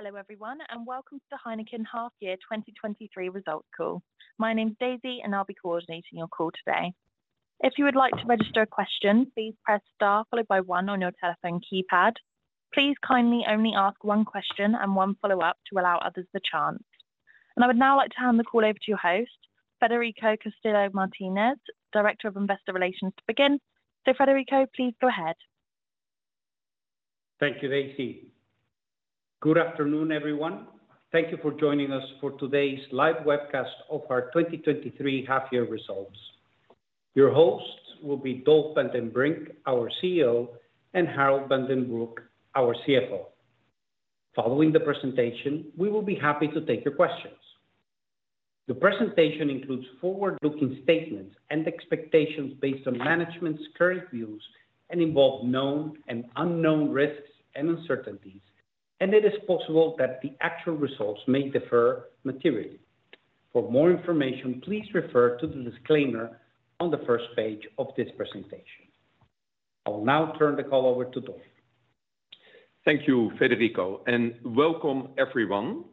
Hello, everyone, and welcome to the Heineken Half Year 2023 Results Call. My name is Daisy, and I'll be coordinating your call today. If you would like to register a question, please press Star followed by 1 on your telephone keypad. Please kindly only ask 1 question and 1 follow-up to allow others the chance. I would now like to hand the call over to your host, Federico Castillo Martinez, Director of Investor Relations, to begin. Federico, please go ahead. Thank you, Daisy. Good afternoon, everyone. Thank you for joining us for today's live webcast of our 2023 half year results. Your hosts will be Dolf van den Brink, our CEO, and Harold van den Broek, our CFO. Following the presentation, we will be happy to take your questions. The presentation includes forward-looking statements and expectations based on management's current views and involve known and unknown risks and uncertainties, and it is possible that the actual results may differ materially. For more information, please refer to the disclaimer on the first page of this presentation. I will now turn the call over to Dolf. Thank you, Federico. Welcome, everyone.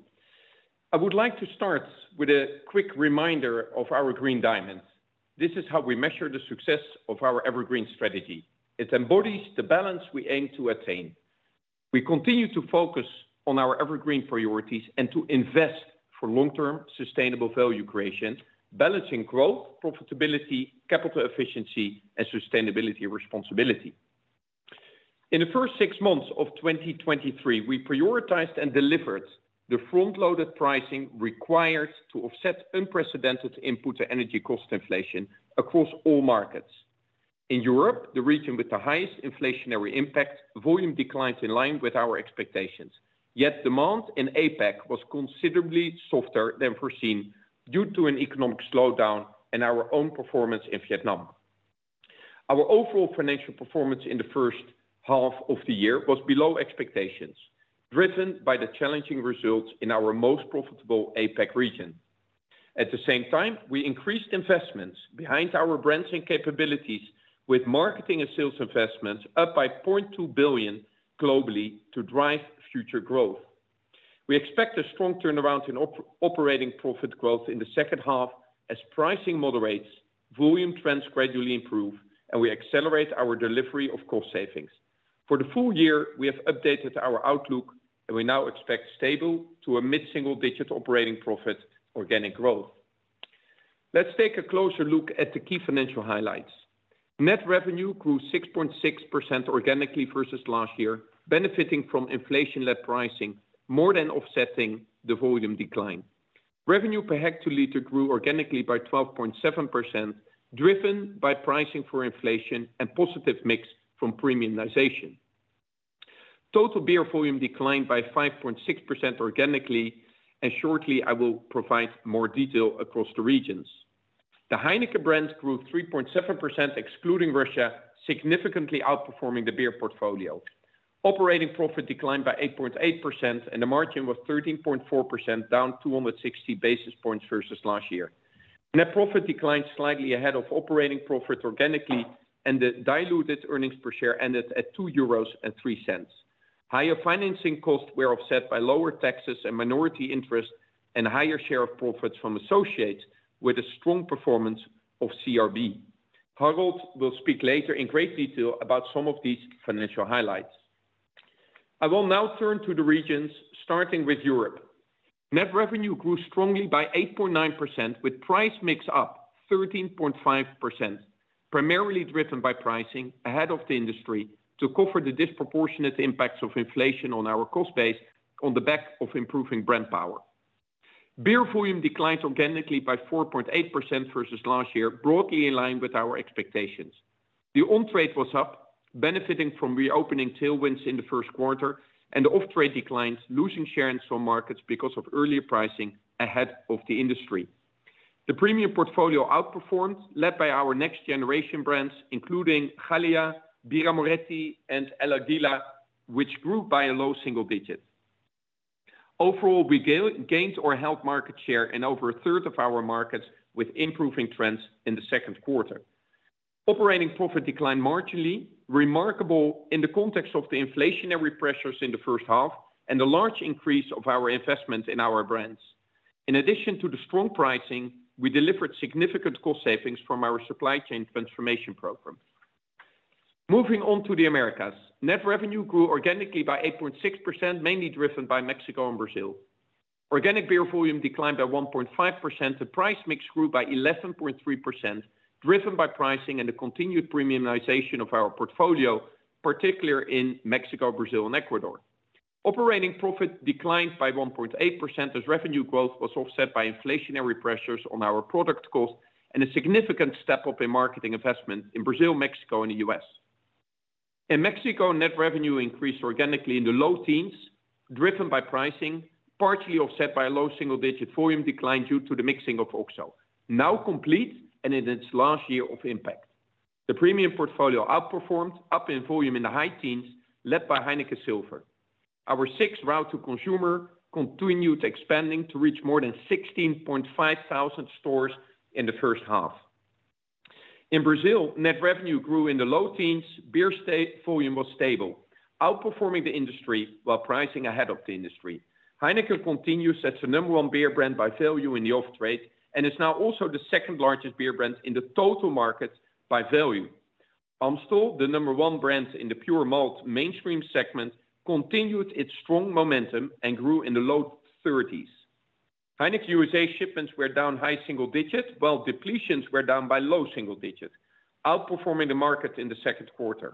I would like to start with a quick reminder of our Green Diamond. This is how we measure the success of our EverGreen strategy. It embodies the balance we aim to attain. We continue to focus on our EverGreen priorities and to invest for long-term sustainable value creation, balancing growth, profitability, capital efficiency, and sustainability responsibility. In the first 6 months of 2023, we prioritized and delivered the front-loaded pricing required to offset unprecedented input and energy cost inflation across all markets. In Europe, the region with the highest inflationary impact, volume declined in line with our expectations. Demand in APAC was considerably softer than foreseen due to an economic slowdown and our own performance in Vietnam. Our overall financial performance in the first half of the year was below expectations, driven by the challenging results in our most profitable APAC region. At the same time, we increased investments behind our brands and capabilities with marketing and sales investments up by $0.2 billion globally to drive future growth. We expect a strong turnaround in operating profit growth in the second half as pricing moderates, volume trends gradually improve, and we accelerate our delivery of cost savings. For the full year, we have updated our outlook, and we now expect stable to a mid-single-digit operating profit organic growth. Let's take a closer look at the key financial highlights. Net revenue grew 6.6% organically versus last year, benefiting from inflation-led pricing, more than offsetting the volume decline. Revenue per hectoliter grew organically by 12.7%, driven by pricing for inflation and positive mix from premiumization. Total beer volume declined by 5.6% organically, and shortly, I will provide more detail across the regions. The Heineken brands grew 3.7%, excluding Russia, significantly outperforming the beer portfolio. Operating profit declined by 8.8%, and the margin was 13.4%, down 260 basis points versus last year. Net profit declined slightly ahead of operating profit organically, and the diluted earnings per share ended at 2.03 euros. Higher financing costs were offset by lower taxes and minority interest and higher share of profits from associates with a strong performance of CRB. Harold will speak later in great detail about some of these financial highlights. I will now turn to the regions, starting with Europe. Net revenue grew strongly by 8.9%, with price mix up 13.5%, primarily driven by pricing ahead of the industry to cover the disproportionate impacts of inflation on our cost base on the back of improving brand power. Beer volume declined organically by 4.8% versus last year, broadly in line with our expectations. The on-trade was up, benefiting from reopening tailwinds in the Q1, and the off-trade declines, losing share in some markets because of earlier pricing ahead of the industry. The premium portfolio outperformed, led by our next generation brands, including Gallia, Birra Moretti, and El Águila, which grew by a low single digits. Overall, we gained or held market share in over a third of our markets, with improving trends in the Q2. Operating profit declined marginally, remarkable in the context of the inflationary pressures in the first half and the large increase of our investment in our brands. In addition to the strong pricing, we delivered significant cost savings from our supply chain transformation program. Moving on to the Americas. Net revenue grew organically by 8.6%, mainly driven by Mexico and Brazil. Organic beer volume declined by 1.5%, the price mix grew by 11.3%, driven by pricing and the continued premiumization of our portfolio, particularly in Mexico, Brazil and Ecuador. Operating profit declined by 1.8% as revenue growth was offset by inflationary pressures on our product cost and a significant step up in marketing investment in Brazil, Mexico, and the US. In Mexico, net revenue increased organically in the low teens, driven by pricing, partially offset by a low single-digit volume decline due to the mixing of OXXO, now complete and in its last year of impact. The premium portfolio outperformed, up in volume in the high teens, led by Heineken Silver. Our 6th route to consumer continued expanding to reach more than 16,500 stores in the first half. In Brazil, net revenue grew in the low teens. Beer state volume was stable, outperforming the industry while pricing ahead of the industry. Heineken continues as the number 1 beer brand by value in the off-trade, and is now also the second largest beer brand in the total market by value. Amstel, the number 1 brand in the pure malt mainstream segment, continued its strong momentum and grew in the low 30s. Heineken USA shipments were down high single digits, while depletions were down by low single digits, outperforming the market in the Q2.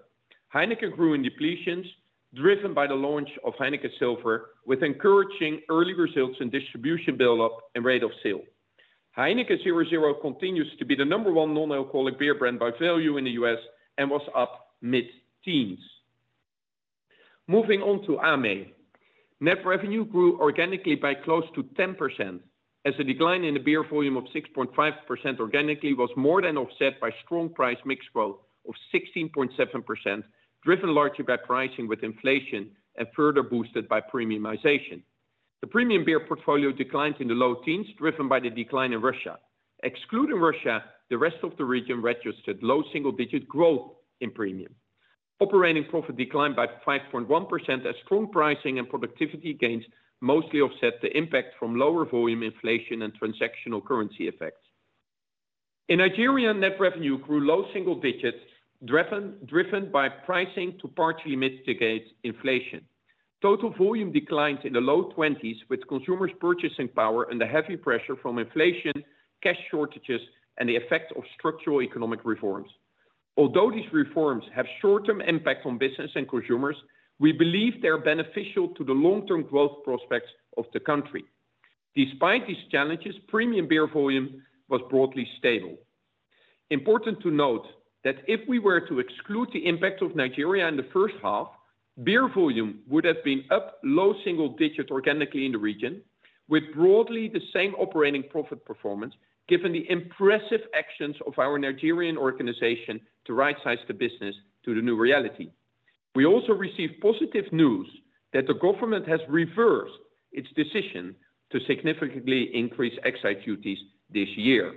Heineken grew in depletions, driven by the launch of Heineken Silver, with encouraging early results in distribution build-up and rate of sale. Heineken 0.0 continues to be the number 1 non-alcoholic beer brand by value in the US and was up mid-teens. Moving on to AME. Net revenue grew organically by close to 10%, as a decline in the beer volume of 6.5% organically was more than offset by strong price mix growth of 16.7%, driven largely by pricing with inflation and further boosted by premiumization. The premium beer portfolio declines in the low teens, driven by the decline in Russia. Excluding Russia, the rest of the region registered low single-digit growth in premium. Operating profit declined by 5.1%, as strong pricing and productivity gains mostly offset the impact from lower volume inflation and transactional currency effects. In Nigeria, net revenue grew low single digits, driven by pricing to partially mitigate inflation. Total volume declined in the low twenties with consumers' purchasing power and the heavy pressure from inflation, cash shortages, and the effect of structural economic reforms. Although these reforms have short-term impact on business and consumers, we believe they're beneficial to the long-term growth prospects of the country. Despite these challenges, premium beer volume was broadly stable. Important to note, that if we were to exclude the impact of Nigeria in the first half, beer volume would have been up low single digits organically in the region, with broadly the same operating profit performance, given the impressive actions of our Nigerian organization to rightsize the business to the new reality. We also received positive news that the government has reversed its decision to significantly increase excise duties this year.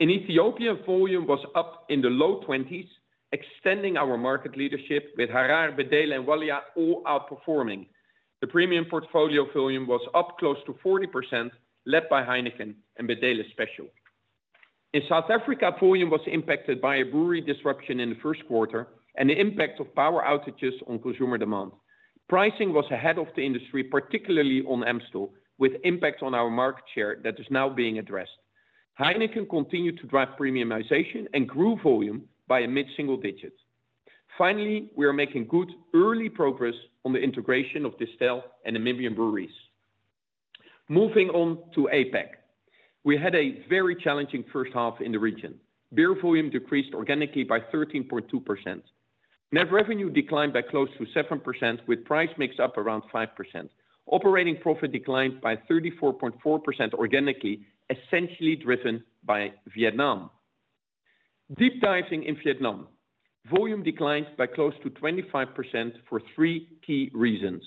In Ethiopia, volume was up in the low 20s, extending our market leadership with Harar, Bedele, and Walia all outperforming. The premium portfolio volume was up close to 40%, led by Heineken and Bedele Special. In South Africa, volume was impacted by a brewery disruption in the Q1 and the impact of power outages on consumer demand. Pricing was ahead of the industry, particularly on Amstel, with impact on our market share that is now being addressed. Heineken continued to drive premiumization and grew volume by a mid-single digits. Finally, we are making good early progress on the integration of Distell and Namibia Breweries. Moving on to APAC. We had a very challenging first half in the region. Beer volume decreased organically by 13.2%. Net revenue declined by close to 7%, with price mix up around 5%. Operating profit declined by 34.4% organically, essentially driven by Vietnam. Deep diving in Vietnam, volume declined by close to 25% for three key reasons.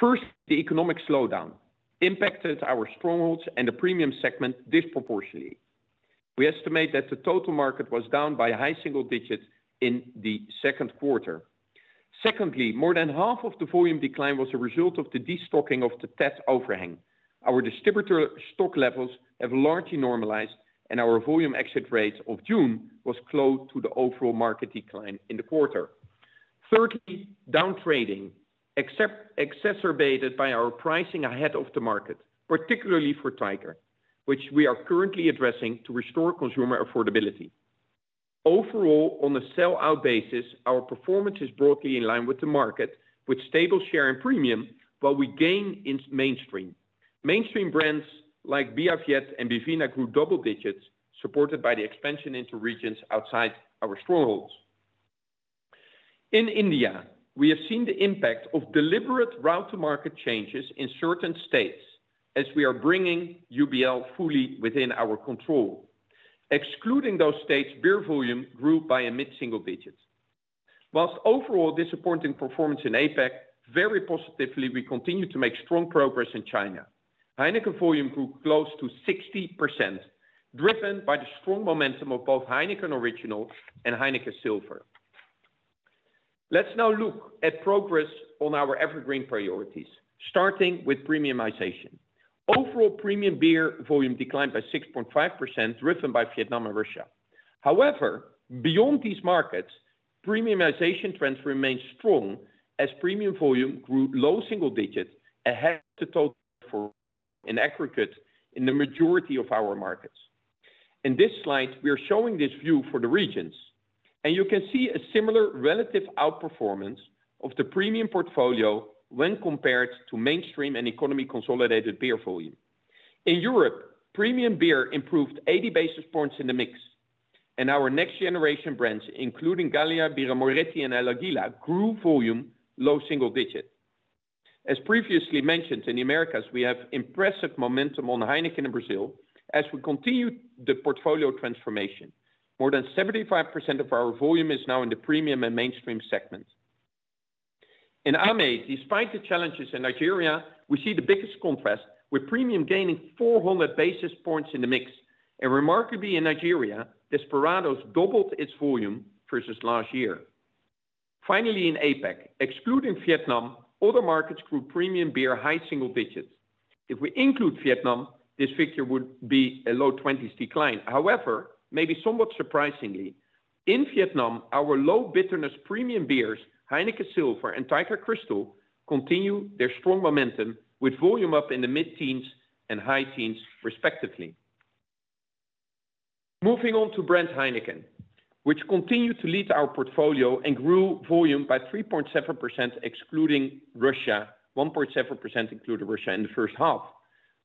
First, the economic slowdown impacted our strongholds and the premium segment disproportionately. We estimate that the total market was down by high single digits in the Q2. Secondly, more than half of the volume decline was a result of the destocking of the TET overhang. Our distributor stock levels have largely normalized, and our volume exit rates of June was close to the overall market decline in the quarter. Thirdly, downtrading, exacerbated by our pricing ahead of the market, particularly for Tiger, which we are currently addressing to restore consumer affordability. Overall, on a sell-out basis, our performance is broadly in line with the market, with stable share and premium, while we gain in mainstream. Mainstream brands like Bia Viet and Bivina grew double digits, supported by the expansion into regions outside our strongholds. In India, we have seen the impact of deliberate route-to-market changes in certain states as we are bringing UBL fully within our control. Excluding those states, beer volume grew by a mid-single digits. Whilst overall disappointing performance in APAC, very positively, we continue to make strong progress in China. Heineken volume grew close to 60%, driven by the strong momentum of both Heineken Original and Heineken Silver. Let's now look at progress on our EverGreen priorities, starting with premiumization. Overall, premium beer volume declined by 6.5%, driven by Vietnam and Russia. Beyond these markets, premiumization trends remain strong as premium volume grew low single digits ahead of the total in aggregate in the majority of our markets. In this slide, we are showing this view for the regions, and you can see a similar relative outperformance of the premium portfolio when compared to mainstream and economy consolidated beer volume. In Europe, premium beer improved 80 basis points in the mix, and our next generation brands, including Gallia, Birra Moretti, and El Águila, grew volume low single digits. As previously mentioned, in the Americas, we have impressive momentum on Heineken in Brazil, as we continue the portfolio transformation. More than 75% of our volume is now in the premium and mainstream segments. In AME, despite the challenges in Nigeria, we see the biggest contrast, with premium gaining 400 basis points in the mix. Remarkably, in Nigeria, Desperados doubled its volume versus last year. In APAC, excluding Vietnam, other markets grew premium beer high single digits. If we include Vietnam, this figure would be a low twenties decline. However, maybe somewhat surprisingly, in Vietnam, our low bitterness premium beers, Heineken Silver and Tiger Crystal, continue their strong momentum, with volume up in the mid-teens and high teens, respectively. Moving on to brand Heineken, which continued to lead our portfolio and grew volume by 3.7%, excluding Russia, 1.7%, including Russia in the first half.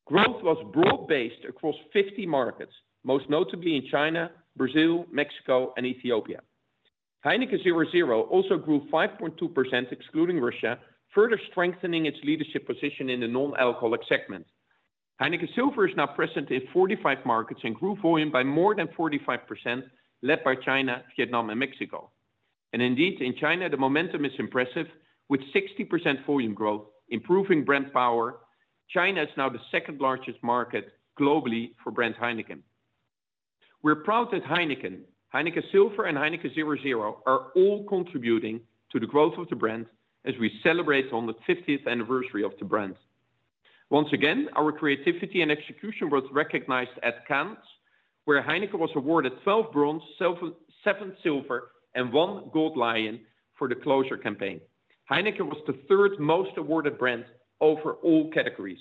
Growth was broad-based across 50 markets, most notably in China, Brazil, Mexico and Ethiopia. Heineken 0.0 also grew 5.2%, excluding Russia, further strengthening its leadership position in the non-alcoholic segment. Heineken Silver is now present in 45 markets and grew volume by more than 45%, led by China, Vietnam and Mexico. Indeed, in China, the momentum is impressive, with 60% volume growth, improving brand power. China is now the second largest market globally for brand Heineken. We're proud that Heineken, Heineken Silver and Heineken 0.0 are all contributing to the growth of the brand as we celebrate on the 50th anniversary of the brand. Once again, our creativity and execution was recognized at Cannes, where Heineken was awarded 12 bronze, 7 silver, and 1 gold lion for the closure campaign. Heineken was the third most awarded brand over all categories.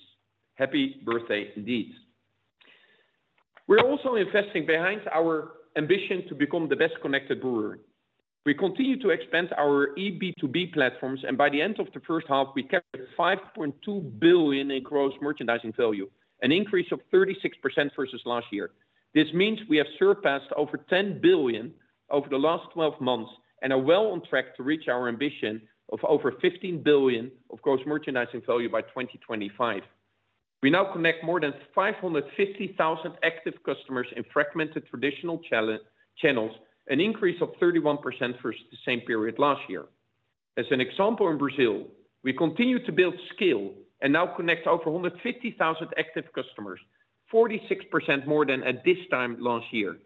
Happy birthday indeed. We're also investing behind our ambition to become the best connected brewer. We continue to expand our eB2B platforms, and by the end of the first half, we captured 5.2 billion in Gross Merchandise Value, an increase of 36% versus last year. This means we have surpassed over 10 billion over the last 12 months, and are well on track to reach our ambition of over 15 billion of Gross Merchandise Value by 2025. We now connect more than 550,000 active customers in fragmented traditional channels, an increase of 31% versus the same period last year. As an example, in Brazil, we continue to build scale and now connect over 150,000 active customers, 46% more than at this time last year.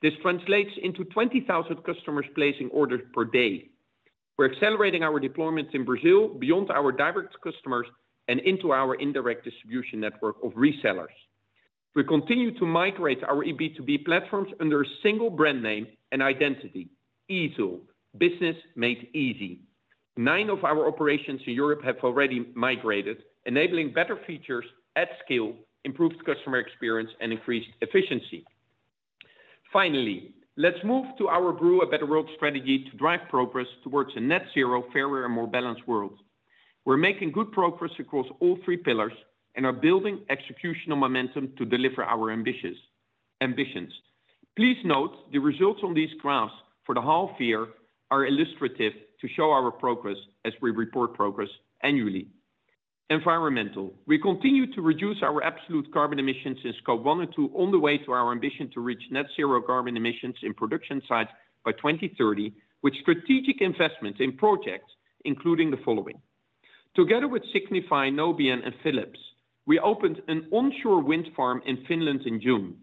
This translates into 20,000 customers placing orders per day. We're accelerating our deployments in Brazil beyond our direct customers and into our indirect distribution network of resellers. We continue to migrate our eB2B platforms under a single brand name and identity, eazle, business made easy. Nine of our operations in Europe have already migrated, enabling better features at scale, improved customer experience and increased efficiency. Finally, let's move to our Brew a Better World strategy to drive progress towards a net zero, fairer, and more balanced world. We're making good progress across all three pillars and are building executional momentum to deliver our ambitious, ambitions. Please note, the results on these graphs for the half year are illustrative to show our progress as we report progress annually. Environmental. We continue to reduce our absolute carbon emissions in Scope 1 and 2 on the way to our ambition to reach net zero carbon emissions in production sites by 2030, with strategic investments in projects, including the following: Together with Signify, Nobian and Philips, we opened an onshore wind farm in Finland in June.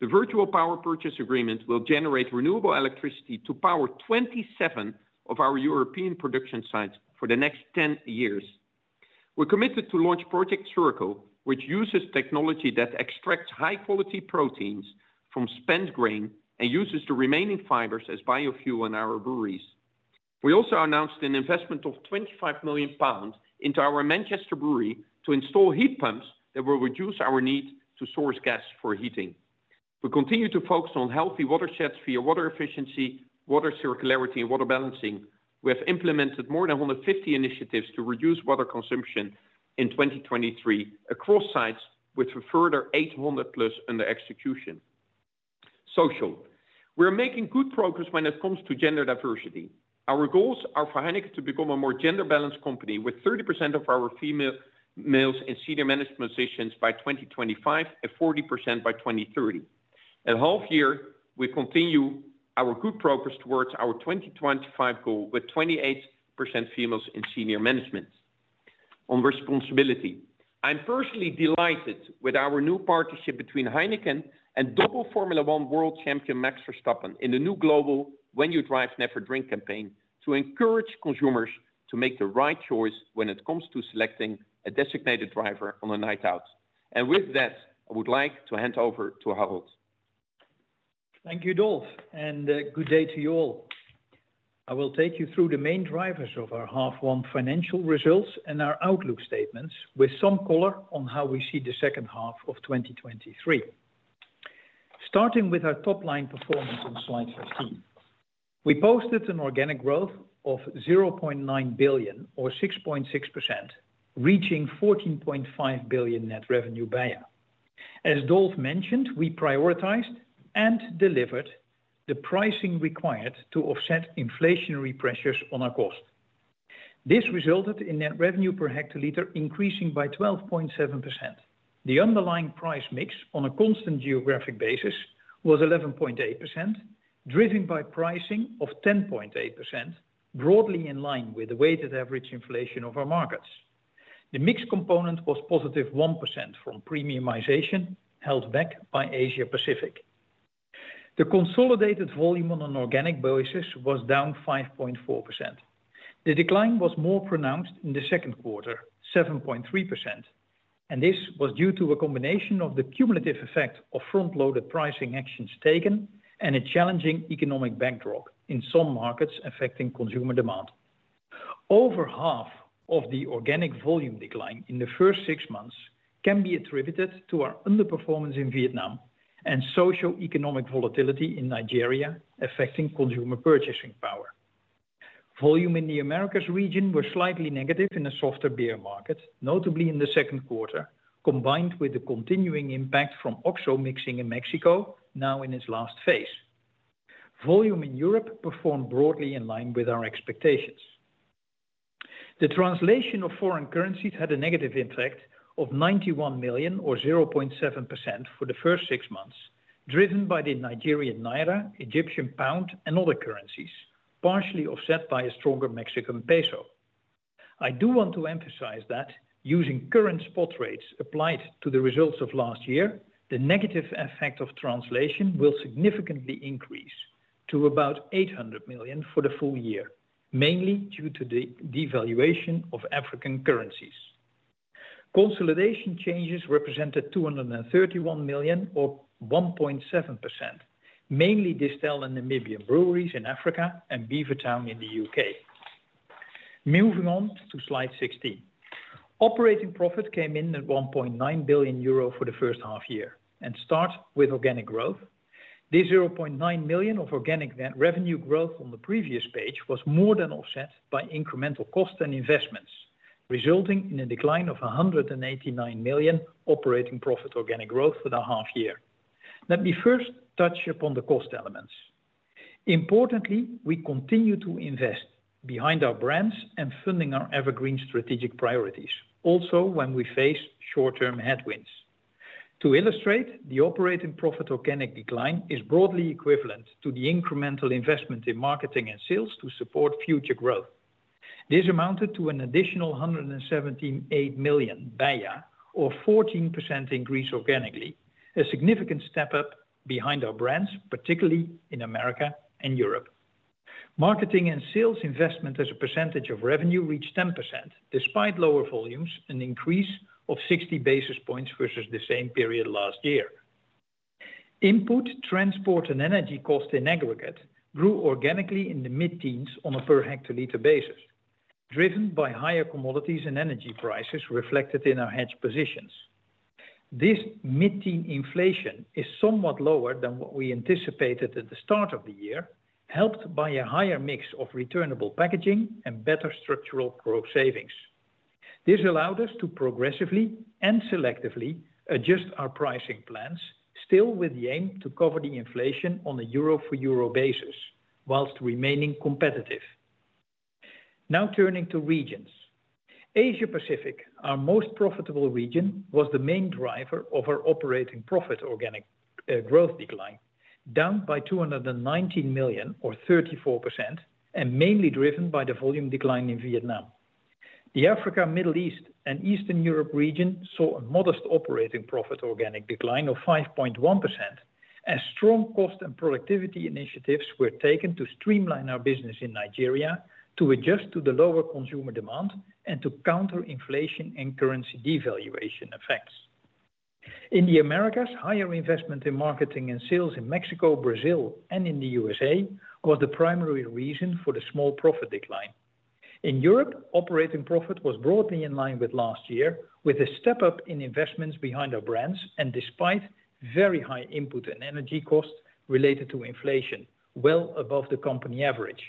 The virtual power purchase agreement will generate renewable electricity to power 27 of our European production sites for the next 10 years. We're committed to launch Project Circle, which uses technology that extracts high-quality proteins from spent grain and uses the remaining fibers as biofuel in our breweries. We also announced an investment of 25 million pounds into our Manchester brewery to install heat pumps that will reduce our need to source gas for heating. We continue to focus on healthy watersheds via water efficiency, water circularity, and water balancing. We have implemented more than 150 initiatives to reduce water consumption in 2023 across sites, with a further 800+ under execution. Social. We're making good progress when it comes to gender diversity. Our goals are for Heineken to become a more gender-balanced company, with 30% of our female, males in senior management positions by 2025 and 40% by 2030. At half year, we continue our good progress towards our 2025 goal, with 28% females in senior management. On responsibility. I'm personally delighted with our new partnership between Heineken and double Formula 1 World Champion, Max Verstappen, in the new global When You Drive, Never Drink campaign, to encourage consumers to make the right choice when it comes to selecting a designated driver on a night out. With that, I would like to hand over to Harold. Thank you, Dolf, good day to you all. I will take you through the main drivers of our half one financial results and our outlook statements with some color on how we see the second half of 2023. Starting with our top-line performance on slide 15. We posted an organic growth of 0.9 billion or 6.6%, reaching 14.5 billion net revenue beia. As Dolf mentioned, we prioritized and delivered the pricing required to offset inflationary pressures on our cost. This resulted in net revenue per hectare liter increasing by 12.7%. The underlying price mix on a constant geographic basis was 11.8%, driven by pricing of 10.8%, broadly in line with the weighted average inflation of our markets. The mix component was positive 1% from premiumization, held back by Asia-Pacific. The consolidated volume on an organic basis was down 5.4%. The decline was more pronounced in the Q2, 7.3%. This was due to a combination of the cumulative effect of front-loaded pricing actions taken and a challenging economic backdrop in some markets affecting consumer demand. Over half of the organic volume decline in the first six months can be attributed to our underperformance in Vietnam and socioeconomic volatility in Nigeria, affecting consumer purchasing power. Volume in the Americas region was slightly negative in a softer beer market, notably in the Q2, combined with the continuing impact from OXXO mixing in Mexico, now in its last phase. Volume in Europe performed broadly in line with our expectations. The translation of foreign currencies had a negative impact of 91 million, or 0.7% for the first six months, driven by the Nigerian Naira, Egyptian Pound, and other currencies, partially offset by a stronger Mexican Peso. I do want to emphasize that using current spot rates applied to the results of last year, the negative effect of translation will significantly increase to about 800 million for the full year, mainly due to the devaluation of African currencies. Consolidation changes represented 231 million, or 1.7%, mainly Distell and Namibia Breweries in Africa and Beavertown in the UK. Moving on to Slide 16. Operating profit came in at 1.9 billion euro for the first half year, and start with organic growth. The 0.9 million of organic revenue growth on the previous page was more than offset by incremental costs and investments, resulting in a decline of 189 million operating profit organic growth for the half year. Let me first touch upon the cost elements. Importantly, we continue to invest behind our brands and funding our EverGreen strategic priorities, also when we face short-term headwinds. To illustrate, the operating profit organic decline is broadly equivalent to the incremental investment in marketing and sales to support future growth. This amounted to an additional 178 million beia, or 14% increase organically, a significant step up behind our brands, particularly in America and Europe. Marketing and sales investment as a percentage of revenue reached 10%, despite lower volumes, an increase of 60 basis points versus the same period last year. Input, transport, and energy costs in aggregate grew organically in the mid-teens on a per hectolitre basis, driven by higher commodities and energy prices reflected in our hedge positions. This mid-teen inflation is somewhat lower than what we anticipated at the start of the year, helped by a higher mix of returnable packaging and better structural growth savings. This allowed us to progressively and selectively adjust our pricing plans, still with the aim to cover the inflation on a euro for euro basis, whilst remaining competitive. Now, turning to regions. Asia-Pacific, our most profitable region, was the main driver of our operating profit organic growth decline, down by 219 million, or 34%, and mainly driven by the volume decline in Vietnam. The Africa, Middle East, and Eastern Europe region saw a modest operating profit organic decline of 5.1%, as strong cost and productivity initiatives were taken to streamline our business in Nigeria, to adjust to the lower consumer demand, and to counter inflation and currency devaluation effects. In the Americas, higher investment in marketing and sales in Mexico, Brazil, and in the USA was the primary reason for the small profit decline. In Europe, operating profit was broadly in line with last year, with a step up in investments behind our brands and despite very high input and energy costs related to inflation, well above the company average.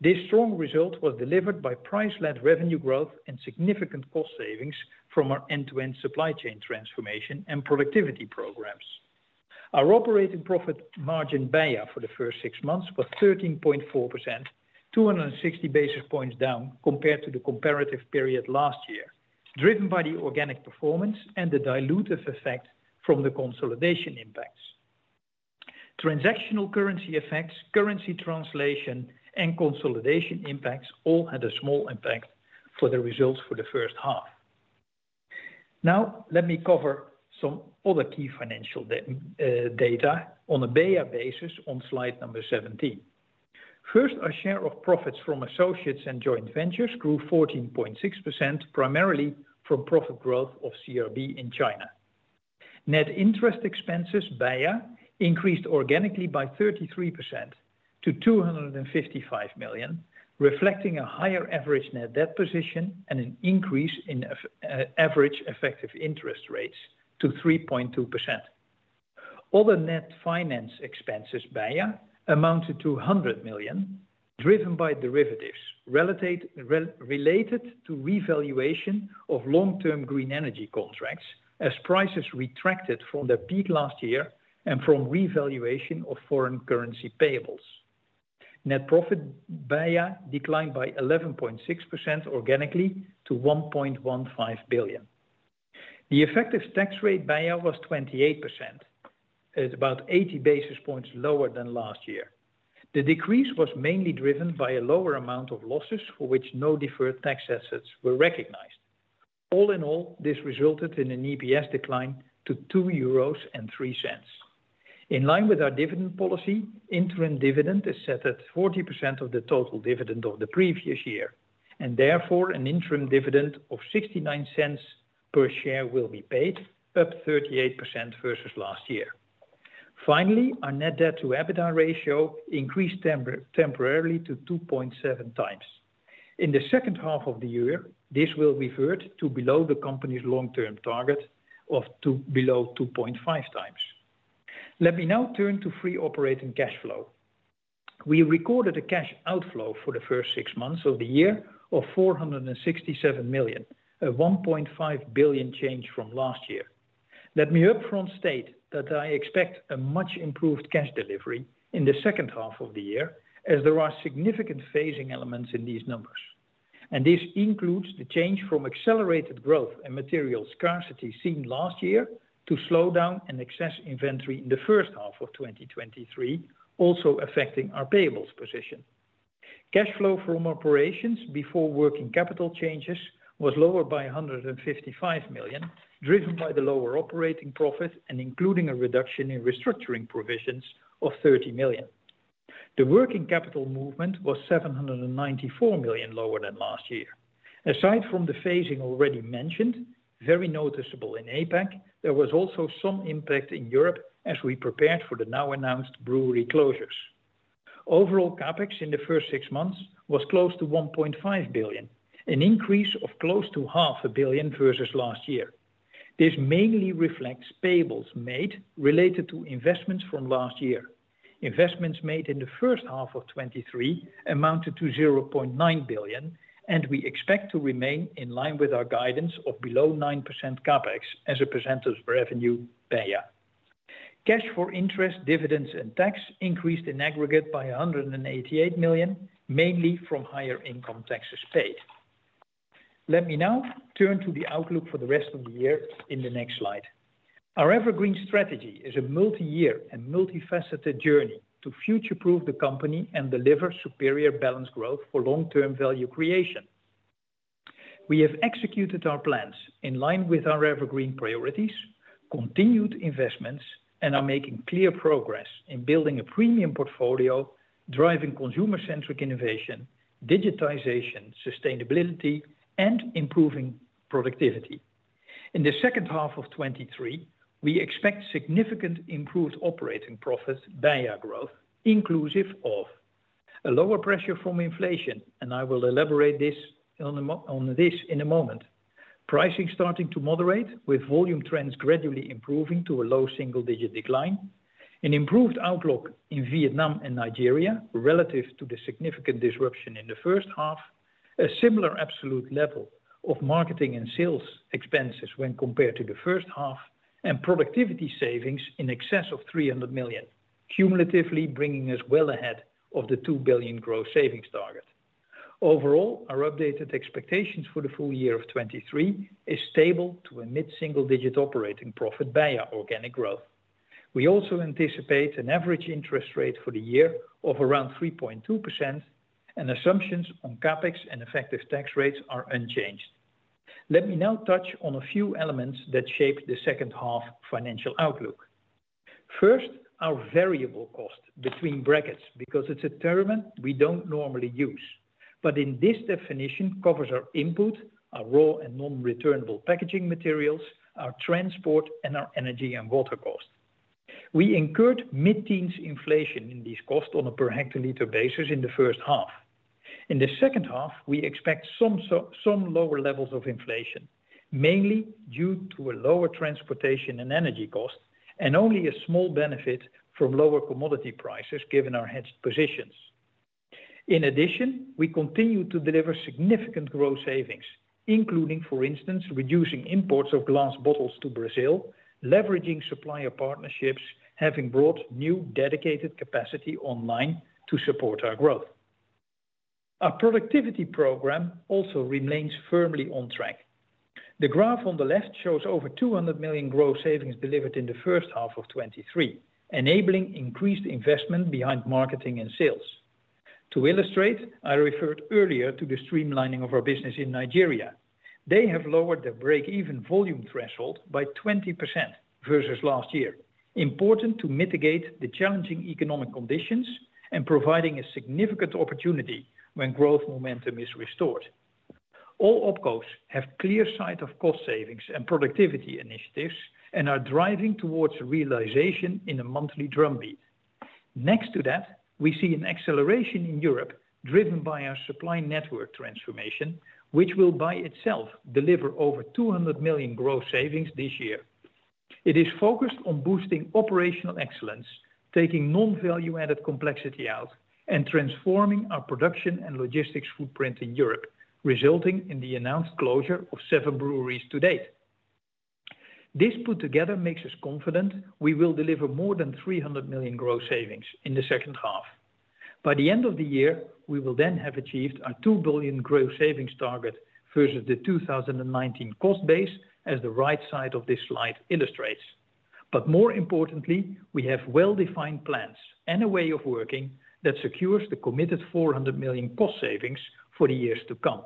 This strong result was delivered by price-led revenue growth and significant cost savings from our end-to-end supply chain transformation and productivity programs. Our operating profit margin beia for the first six months was 13.4%, 260 basis points down compared to the comparative period last year, driven by the organic performance and the dilutive effect from the consolidation impacts. Transactional currency effects, currency translation, and consolidation impacts all had a small impact for the results for the first half. Now, let me cover some other key financial data on a beia basis on slide number 17. First, our share of profits from associates and joint ventures grew 14.6%, primarily from profit growth of CRB in China. Net interest expenses, beia, increased organically by 33% to 255 million, reflecting a higher average net debt position and an increase in average effective interest rates to 3.2%. Other net finance expenses, beia, amounted to 100 million, driven by derivatives related to revaluation of long-term green energy contracts, as prices retracted from their peak last year and from revaluation of foreign currency payables. Net profit, beia, declined by 11.6% organically to 1.15 billion. The effective tax rate, beia, was 28%. It's about 80 basis points lower than last year. The decrease was mainly driven by a lower amount of losses, for which no deferred tax assets were recognized. All in all, this resulted in an EPS decline to 2.03 euros. In line with our dividend policy, interim dividend is set at 40% of the total dividend of the previous year. Therefore, an interim dividend of 0.69 per share will be paid, up 38% versus last year. Finally, our net debt to EBITDA ratio increased temporarily to 2.7x. In the second half of the year, this will revert to below the company's long-term target of below 2.5x. Let me now turn to free operating cash flow. We recorded a cash outflow for the first 6 months of the year of 467 million, a 1.5 billion change from last year. Let me upfront state that I expect a much improved cash delivery in the second half of the year, as there are significant phasing elements in these numbers, and this includes the change from accelerated growth and material scarcity seen last year to slow down and excess inventory in the first half of 2023, also affecting our payables position. Cash flow from operations before working capital changes was lower by 155 million, driven by the lower operating profit and including a reduction in restructuring provisions of 30 million. The working capital movement was 794 million lower than last year. Aside from the phasing already mentioned, very noticeable in APAC, there was also some impact in Europe as we prepared for the now announced brewery closures. Overall, CapEx in the first 6 months was close to 1.5 billion, an increase of close to 500 million versus last year. This mainly reflects payables made related to investments from last year. Investments made in the first half of 2023 amounted to 0.9 billion, we expect to remain in line with our guidance of below 9% CapEx as a percentage of revenue beia. Cash for interest, dividends and tax increased in aggregate by 188 million, mainly from higher income taxes paid. Let me now turn to the outlook for the rest of the year in the next slide. Our EverGreen strategy is a multi-year and multifaceted journey to future-proof the company and deliver superior balanced growth for long-term value creation. We have executed our plans in line with our EverGreen priorities, continued investments, and are making clear progress in building a premium portfolio, driving consumer-centric innovation, digitization, sustainability, and improving productivity. In the second half of 2023, we expect significant improved operating profit, beia growth, inclusive of a lower pressure from inflation, and I will elaborate this on this in a moment. Pricing starting to moderate, with volume trends gradually improving to a low single-digit decline. An improved outlook in Vietnam and Nigeria relative to the significant disruption in the first half. A similar absolute level of marketing and sales expenses when compared to the first half, productivity savings in excess of 300 million, cumulatively bringing us well ahead of the 2 billion growth savings target. Overall, our updated expectations for the full year of 2023 is stable to a mid-single-digit operating profit by our organic growth. We also anticipate an average interest rate for the year of around 3.2%. Assumptions on CapEx and effective tax rates are unchanged. Let me now touch on a few elements that shape the second half financial outlook. First, our variable cost between brackets, because it's a term we don't normally use, but in this definition, covers our input, our raw and non-returnable packaging materials, our transport, and our energy and water costs. We incurred mid-teens inflation in these costs on a per hectoliter basis in the first half. In the second half, we expect some lower levels of inflation, mainly due to a lower transportation and energy cost, and only a small benefit from lower commodity prices, given our hedged positions. In addition, we continue to deliver significant growth savings, including, for instance, reducing imports of glass bottles to Brazil, leveraging supplier partnerships, having brought new dedicated capacity online to support our growth. Our productivity program also remains firmly on track. The graph on the left shows over 200 million growth savings delivered in the first half of 2023, enabling increased investment behind marketing and sales. To illustrate, I referred earlier to the streamlining of our business in Nigeria. They have lowered their break-even volume threshold by 20% versus last year. Important to mitigate the challenging economic conditions and providing a significant opportunity when growth momentum is restored. All OpCos have clear sight of cost savings and productivity initiatives and are driving towards realization in a monthly drumbeat. Next to that, we see an acceleration in Europe, driven by our supply network transformation, which will by itself deliver over 200 million gross savings this year. It is focused on boosting operational excellence, taking non-value-added complexity out, and transforming our production and logistics footprint in Europe, resulting in the announced closure of 7 breweries to date. This put together makes us confident we will deliver more than 300 million gross savings in the second half. By the end of the year, we will then have achieved our 2 billion gross savings target versus the 2019 cost base, as the right side of this slide illustrates. More importantly, we have well-defined plans and a way of working that secures the committed 400 million cost savings for the years to come.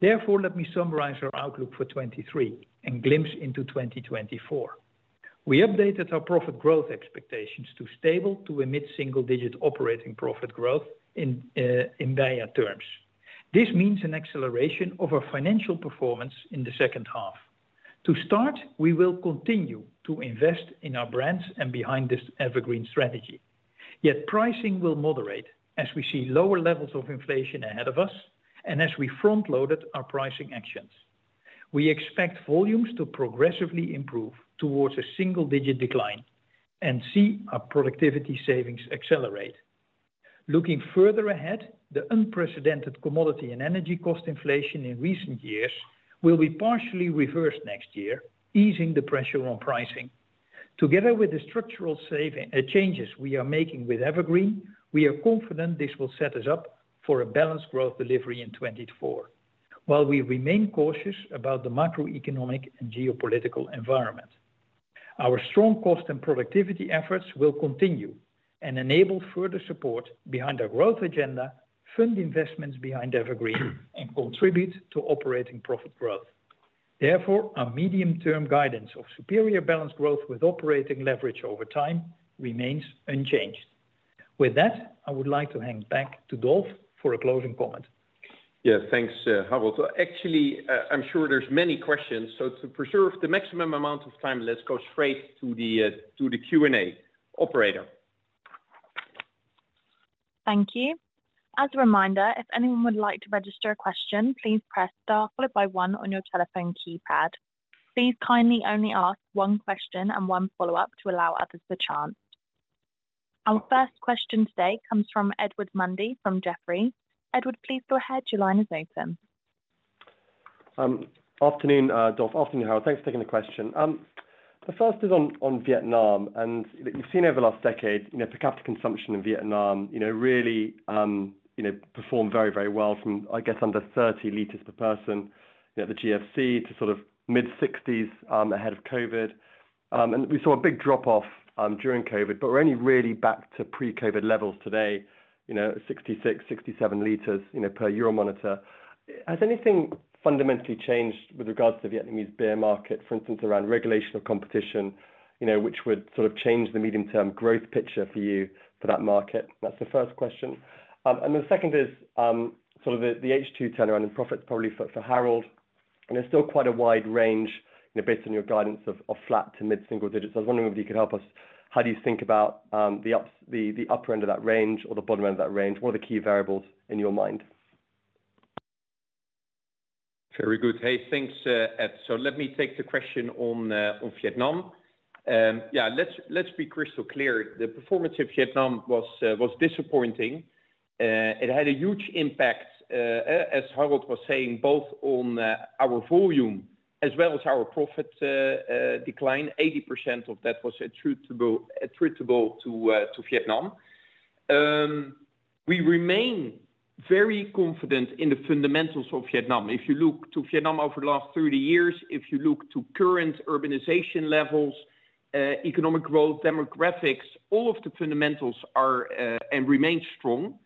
Therefore, let me summarize our outlook for 2023 and glimpse into 2024. We updated our profit growth expectations to stable to emit single-digit operating profit growth in beia terms. This means an acceleration of our financial performance in the second half. To start, we will continue to invest in our brands and behind this EverGreen strategy. Yet pricing will moderate as we see lower levels of inflation ahead of us and as we front-loaded our pricing actions. We expect volumes to progressively improve towards a single-digit decline and see our productivity savings accelerate. Looking further ahead, the unprecedented commodity and energy cost inflation in recent years will be partially reversed next year, easing the pressure on pricing. Together with the structural saving changes we are making with EverGreen, we are confident this will set us up for a balanced growth delivery in 2024, while we remain cautious about the macroeconomic and geopolitical environment. Our strong cost and productivity efforts will continue and enable further support behind our growth agenda, fund investments behind EverGreen, and contribute to operating profit growth. Our medium-term guidance of superior balanced growth with operating leverage over time remains unchanged. With that, I would like to hand back to Dolf for a closing comment. Yeah, thanks, Harold. Actually, I'm sure there's many questions, so to preserve the maximum amount of time, let's go straight to the to the Q&A. Operator? Thank you. As a reminder, if anyone would like to register a question, please press Star followed by 1 on your telephone keypad. Please kindly only ask 1 question and 1 follow-up to allow others the chance. Our first question today comes from Edward Mundy, from Jefferies. Edward, please go ahead. Your line is open. Afternoon, Dolf. Afternoon, Harold. Thanks for taking the question. The first is on Vietnam, that you've seen over the last decade, you know, per capita consumption in Vietnam, you know, really, you know, performed very, very well from, I guess, under 30 liters per person, you know, the GFC to sort of mid-60s ahead of COVID. We saw a big drop-off during COVID, but we're only really back to pre-COVID levels today, you know, 66, 67 liters, you know, per Euromonitor. Has anything fundamentally changed with regards to Vietnamese beer market, for instance, around regulation of competition, you know, which would sort of change the medium-term growth picture for you for that market? That's the first question. The second is sort of the H2 turnaround in profits, probably for Harold. There's still quite a wide range, you know, based on your guidance of, of flat to mid-single digits. I was wondering if you could help us. How do you think about the upper end of that range or the bottom end of that range? What are the key variables in your mind? Very good. Hey, thanks, Ed. Let me take the question on Vietnam. Yeah, let's, let's be crystal clear. The performance of Vietnam was disappointing. It had a huge impact, as Harold was saying, both on our volume as well as our profit decline. 80% of that was attributable, attributable to Vietnam. We remain very confident in the fundamentals of Vietnam. If you look to Vietnam over the last 30 years, if you look to current urbanization levels, economic growth, demographics, all of the fundamentals are and remain strong.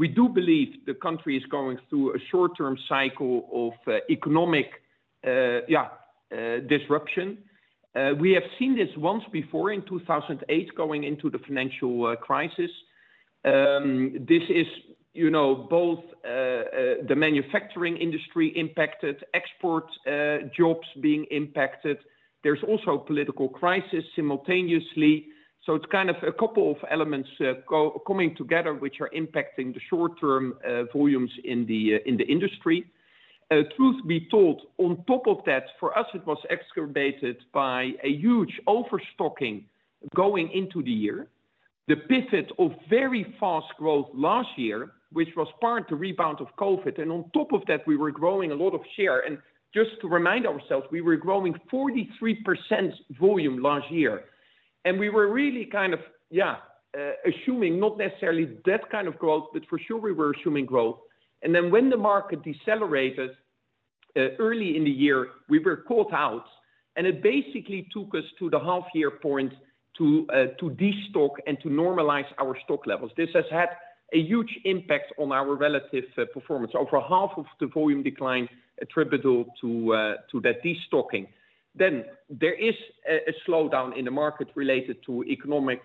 We do believe the country is going through a short-term cycle of economic, yeah, disruption. We have seen this once before in 2008, going into the financial crisis. This is, you know, both, the manufacturing industry impacted, exports, jobs being impacted. There's also a political crisis simultaneously. It's kind of a couple of elements coming together, which are impacting the short-term volumes in the industry. Truth be told, on top of that, for us, it was exacerbated by a huge overstocking going into the year. The pivot of very fast growth last year, which was part to rebound of COVID, and on top of that, we were growing a lot of share. Just to remind ourselves, we were growing 43% volume last year, and we were really kind of, yeah, assuming not necessarily that kind of growth, but for sure, we were assuming growth. Then when the market decelerated, early in the year, we were caught out, and it basically took us to the half-year point to destock and to normalize our stock levels. This has had a huge impact on our relative performance. Over half of the volume decline attributable to that destocking. Then there is a slowdown in the market related to economic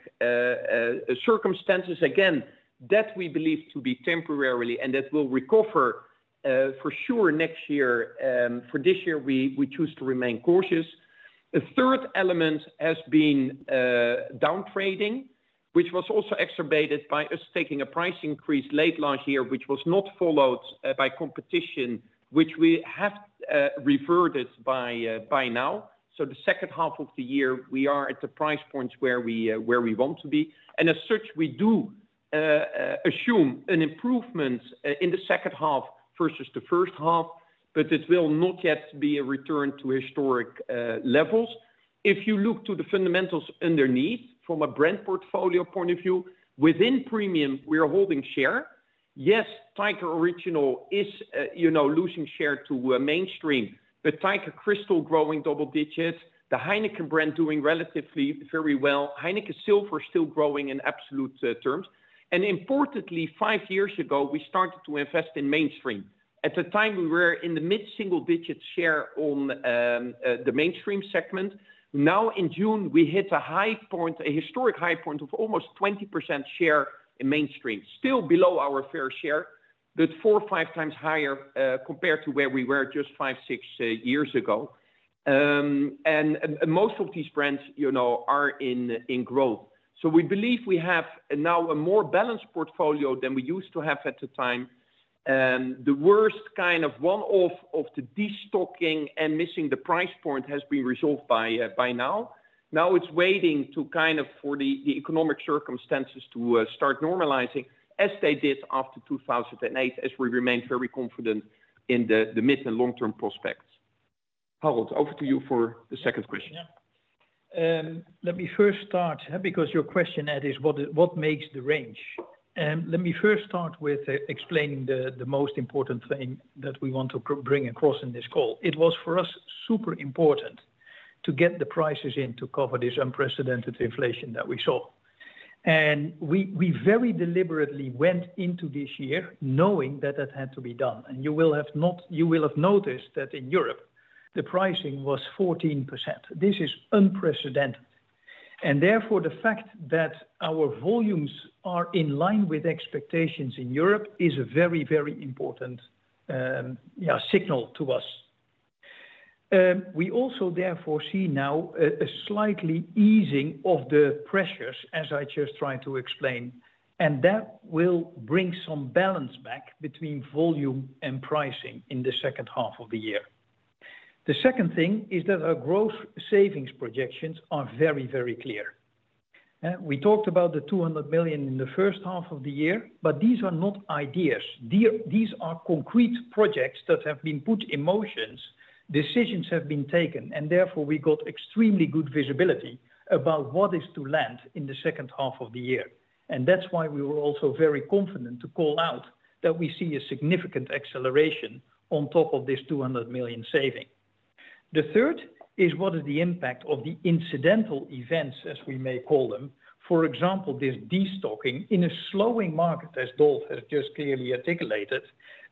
circumstances. Again, that we believe to be temporarily, and that will recover, for sure, next year. For this year, we choose to remain cautious. The third element has been downtrading, which was also exacerbated by us taking a price increase late last year, which was not followed by competition, which we have reverted by now. The second half of the year, we are at the price point where we, where we want to be, and as such, we assume an improvement in the second half versus the first half, but it will not yet be a return to historic levels. If you look to the fundamentals underneath from a brand portfolio point of view, within premium, we are holding share. Yes, Tiger Original is, you know, losing share to mainstream, but Tiger Crystal growing double digits, the Heineken brand doing relatively very well. Heineken Silver still growing in absolute terms. Importantly, five years ago, we started to invest in mainstream. At the time, we were in the mid-single-digit share on the mainstream segment. Now, in June, we hit a high point, a historic high point of almost 20% share in mainstream. Still below our fair share, but 4x or 5x higher, compared to where we were just 5, 6 years ago. Most of these brands, you know, are in growth. So we believe we have now a more balanced portfolio than we used to have at the time. The worst kind of one-off of the destocking and missing the price point has been resolved by, by now. Now, it's waiting to kind of for the economic circumstances to start normalizing as they did after 2008, as we remain very confident in the mid- and long-term prospects. Harold, over to you for the second question. Yeah. Let me first start, because your question, Ed, is: what makes the range? Let me first start with explaining the most important thing that we want to bring across in this call. It was, for us, super important to get the prices in to cover this unprecedented inflation that we saw. We very deliberately went into this year knowing that that had to be done, you will have noticed that in Europe, the pricing was 14%. This is unprecedented, and therefore, the fact that our volumes are in line with expectations in Europe is a very, very important, yeah, signal to us. We also therefore see now a slightly easing of the pressures, as I just tried to explain, and that will bring some balance back between volume and pricing in the second half of the year. The second thing is that our growth savings projections are very, very clear. We talked about the 200 million in the first half of the year, but these are not ideas. These are concrete projects that have been put in motions, decisions have been taken, and therefore, we got extremely good visibility about what is to land in the second half of the year. That's why we were also very confident to call out that we see a significant acceleration on top of this 200 million saving. The third is: what is the impact of the incidental events, as we may call them? For example, this destocking in a slowing market, as Dolf has just clearly articulated,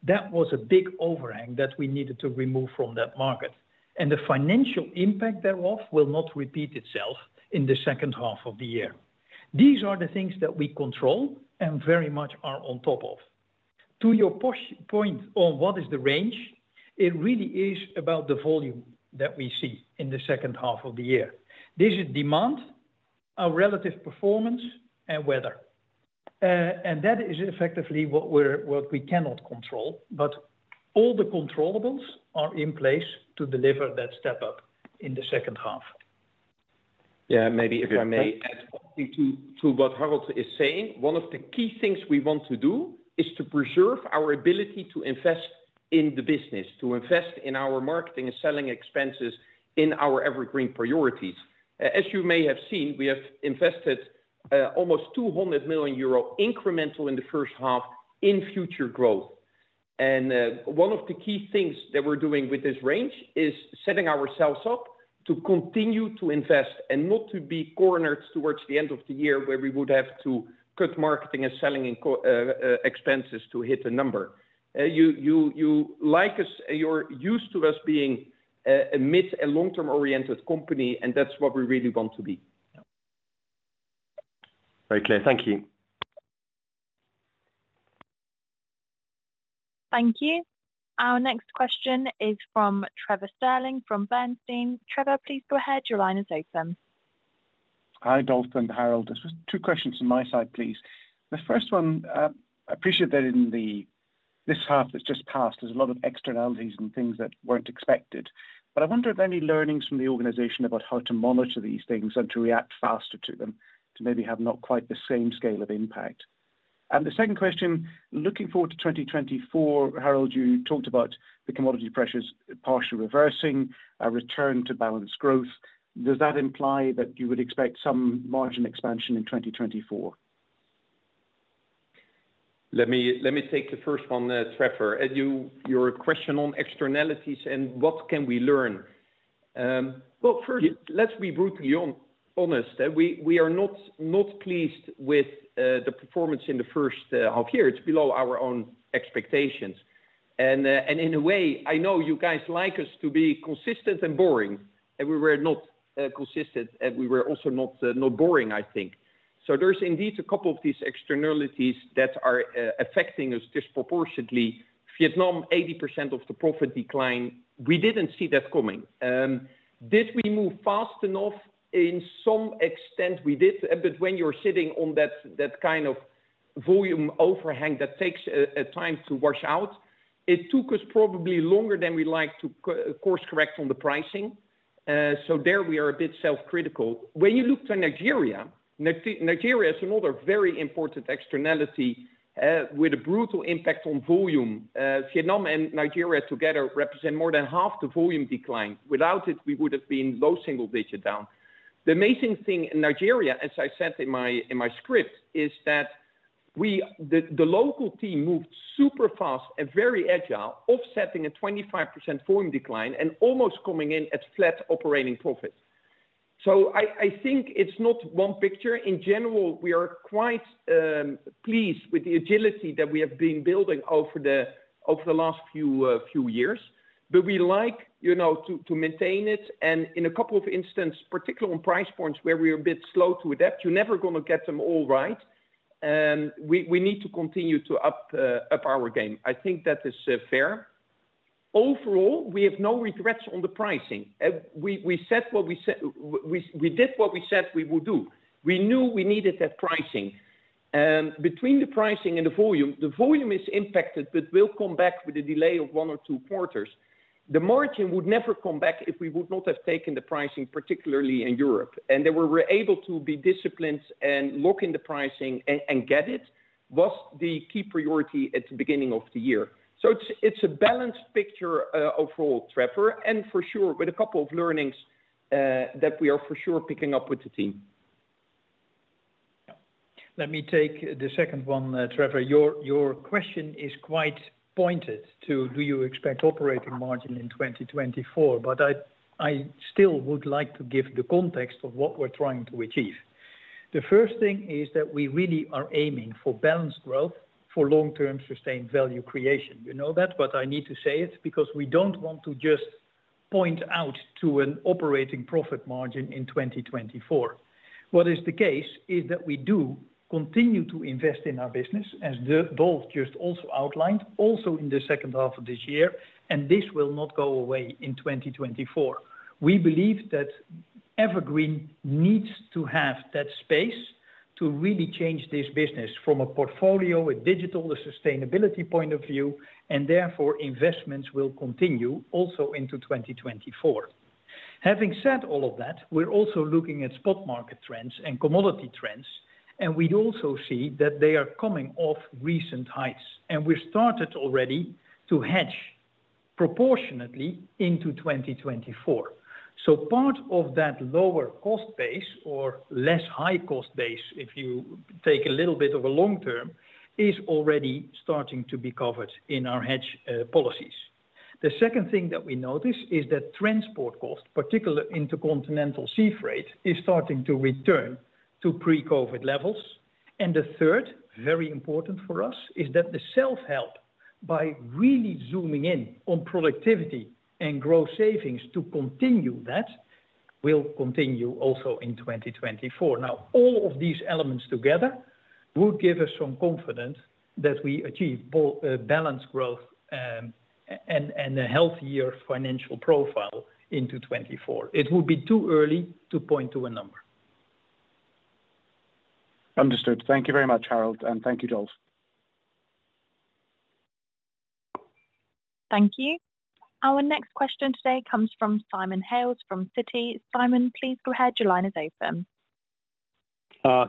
that was a big overhang that we needed to remove from that market. The financial impact thereof will not repeat itself in the second half of the year. These are the things that we control and very much are on top of. To your point on what is the range, it really is about the volume that we see in the second half of the year. This is demand, our relative performance, and weather. That is effectively what we're, what we cannot control, but all the controllables are in place to deliver that step up in the second half. Yeah, maybe if I may add to what Harold is saying, one of the key things we want to do is to preserve our ability to invest in the business, to invest in our marketing and selling expenses in our EverGreen priorities. As you may have seen, we have invested almost 200 million euro incremental in the first half in future growth. One of the key things that we're doing with this range is setting ourselves up to continue to invest and not to be cornered towards the end of the year, where we would have to cut marketing and selling expenses to hit a number. You're used to us being a mid- and long-term-oriented company, and that's what we really want to be. Yeah. Very clear. Thank you. Thank you. Our next question is from Trevor Stirling, from Bernstein. Trevor, please go ahead. Your line is open. Hi, Dolf and Harold. Just 2 questions from my side, please. The first one, I appreciate that in the this half that's just passed, there's a lot of externalities and things that weren't expected. I wonder if there are any learnings from the organization about how to monitor these things and to react faster to them, to maybe have not quite the same scale of impact. The second question, looking forward to 2024, Harold, you talked about the commodity pressures partially reversing, a return to balanced growth. Does that imply that you would expect some margin expansion in 2024? Let me, let me take the first one, Trevor. And you, your question on externalities and what can we learn? Well, first, let's be brutally honest. We, we are not, not pleased with the performance in the first half year. It's below our own expectations. In a way, I know you guys like us to be consistent and boring, and we were not consistent, and we were also not not boring, I think. There's indeed a couple of these externalities that are affecting us disproportionately. Vietnam, 80% of the profit decline, we didn't see that coming. Did we move fast enough? In some extent, we did, but when you're sitting on that, that kind of volume overhang, that takes a time to wash out. It took us probably longer than we like to course-correct on the pricing. There we are a bit self-critical. When you look to Nigeria, Nigeria is another very important externality with a brutal impact on volume. Vietnam and Nigeria together represent more than half the volume decline. Without it, we would have been low single digit down. The amazing thing in Nigeria, as I said in my, in my script, is that the local team moved super fast and very agile, offsetting a 25% volume decline and almost coming in at flat operating profit. I think it's not one picture. In general, we are quite pleased with the agility that we have been building over the last few years. We like, you know, to, to maintain it, and in a couple of instances, particularly on price points where we are a bit slow to adapt, you're never going to get them all right. We, we need to continue to up, up our game. I think that is fair. Overall, we have no regrets on the pricing. We, we said what we said. We did what we said we would do. We knew we needed that pricing. Between the pricing and the volume, the volume is impacted, but will come back with a delay of one or two quarters. The margin would never come back if we would not have taken the pricing, particularly in Europe. That we were able to be disciplined and lock in the pricing and, and get it, was the key priority at the beginning of the year. It's, it's a balanced picture, overall, Trevor, and for sure, with a couple of learnings, that we are for sure picking up with the team. Yeah. Let me take the second one, Trevor. Your, your question is quite pointed to, "Do you expect operating margin in 2024?" I, I still would like to give the context of what we're trying to achieve. The first thing is that we really are aiming for balanced growth for long-term, sustained value creation. You know that, but I need to say it because we don't want to just point out to an operating profit margin in 2024. What is the case is that we do continue to invest in our business, as Dolf just also outlined, also in the second half of this year, and this will not go away in 2024. We believe that EverGreen needs to have that space to really change this business from a portfolio, a digital, a sustainability point of view. Therefore, investments will continue also into 2024. Having said all of that, we're also looking at spot market trends and commodity trends. We also see that they are coming off recent heights. We started already to hedge proportionately into 2024. Part of that lower cost base or less high cost base, if you take a little bit of a long term, is already starting to be covered in our hedge policies. The second thing that we notice is that transport costs, particularly intercontinental sea freight, is starting to return to pre-COVID levels. The third, very important for us, is that the self-help, by really zooming in on productivity and growth savings to continue that, will continue also in 2024. All of these elements together will give us some confidence that we achieve both, balanced growth, and, and a healthier financial profile into 2024. It would be too early to point to a number. Understood. Thank you very much, Harold, and thank you, Dolf. Thank you. Our next question today comes from Simon Hales, from Citi. Simon, please go ahead. Your line is open.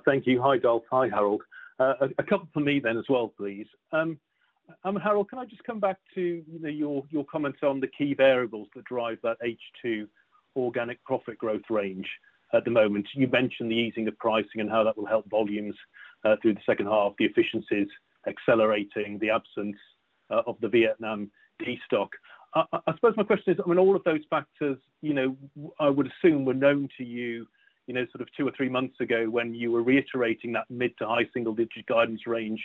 Thank you. Hi, Dolf. Hi, Harold. A couple for me then as well, please. Harold, can I just come back to, you know, your comments on the key variables that drive that H2 organic profit growth range at the moment? You mentioned the easing of pricing and how that will help volumes through the second half, the efficiencies accelerating, the absence of the Vietnam de-stock. I suppose my question is, I mean, all of those factors, you know, I would assume, were known to you, you know, sort of 2 or 3 months ago when you were reiterating that mid to high single digit guidance range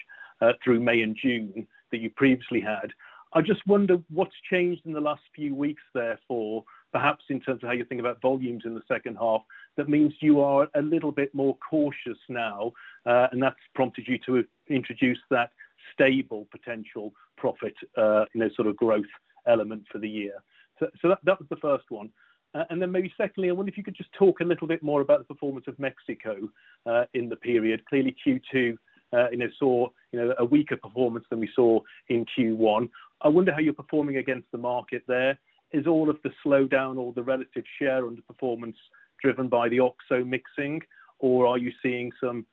through May and June, that you previously had. I just wonder what's changed in the last few weeks, therefore, perhaps in terms of how you think about volumes in the second half, that means you are a little bit more cautious now, and that's prompted you to introduce that stable potential profit, you know, sort of growth element for the year. That was the first one. Then maybe secondly, I wonder if you could just talk a little bit more about the performance of Mexico in the period. Clearly, Q2, you know, saw, you know, a weaker performance than we saw in Q1. I wonder how you're performing against the market there. Is all of the slowdown or the relative share underperformance driven by the OXXO mixing, or are you seeing some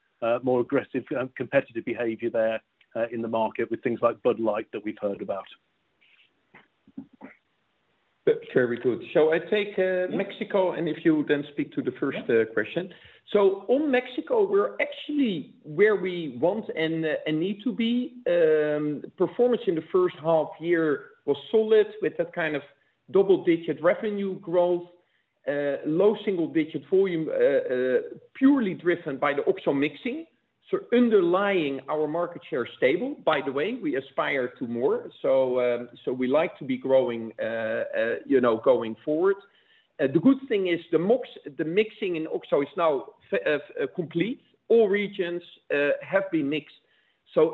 more aggressive competitive behavior there in the market with things like Bud Light that we've heard about? Very good. I take Mexico, and if you would then speak to the first question. Yeah. On Mexico, we're actually where we want and, and need to be. Performance in the first half year was solid, with that kind of double-digit revenue growth, low single digit volume, purely driven by the OXXO mixing. Underlying, our market share is stable. By the way, we aspire to more, so, so we like to be growing, you know, going forward. The good thing is the mixing in OXXO is now complete. All regions have been mixed.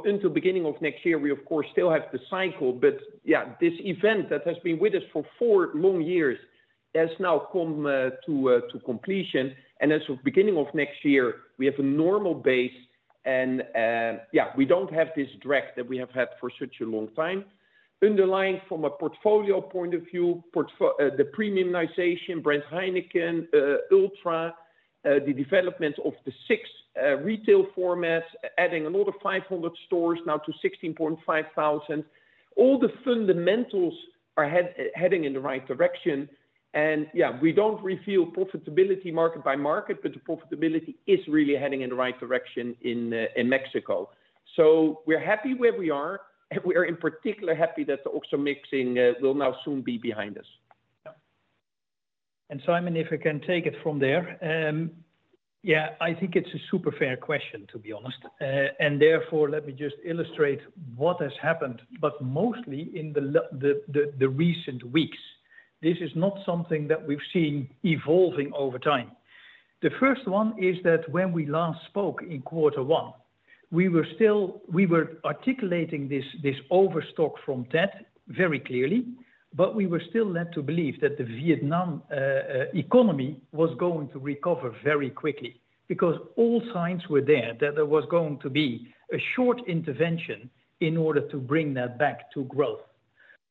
Into beginning of next year, we of course, still have the cycle, but yeah, this event that has been with us for four long years has now come to completion. As of beginning of next year, we have a normal base and, yeah, we don't have this drag that we have had for such a long time. underlying from a portfolio point of view, the premiumization, brand Heineken, Ultra, the development of the SIX retail formats, adding another 500 stores now to 16,500. All the fundamentals are heading in the right direction. Yeah, we don't reveal profitability market by market, but the profitability is really heading in the right direction in Mexico. We're happy where we are, and we are in particular happy that the OXXO mixing will now soon be behind us. Yeah. Simon, if you can take it from there. Yeah, I think it's a super fair question, to be honest. Therefore, let me just illustrate what has happened, but mostly in the recent weeks. This is not something that we've seen evolving over time. The first one is that when we last spoke in Q1, we were articulating this, this overstock from TET very clearly, but we were still led to believe that the Vietnam economy was going to recover very quickly. All signs were there that there was going to be a short intervention in order to bring that back to growth.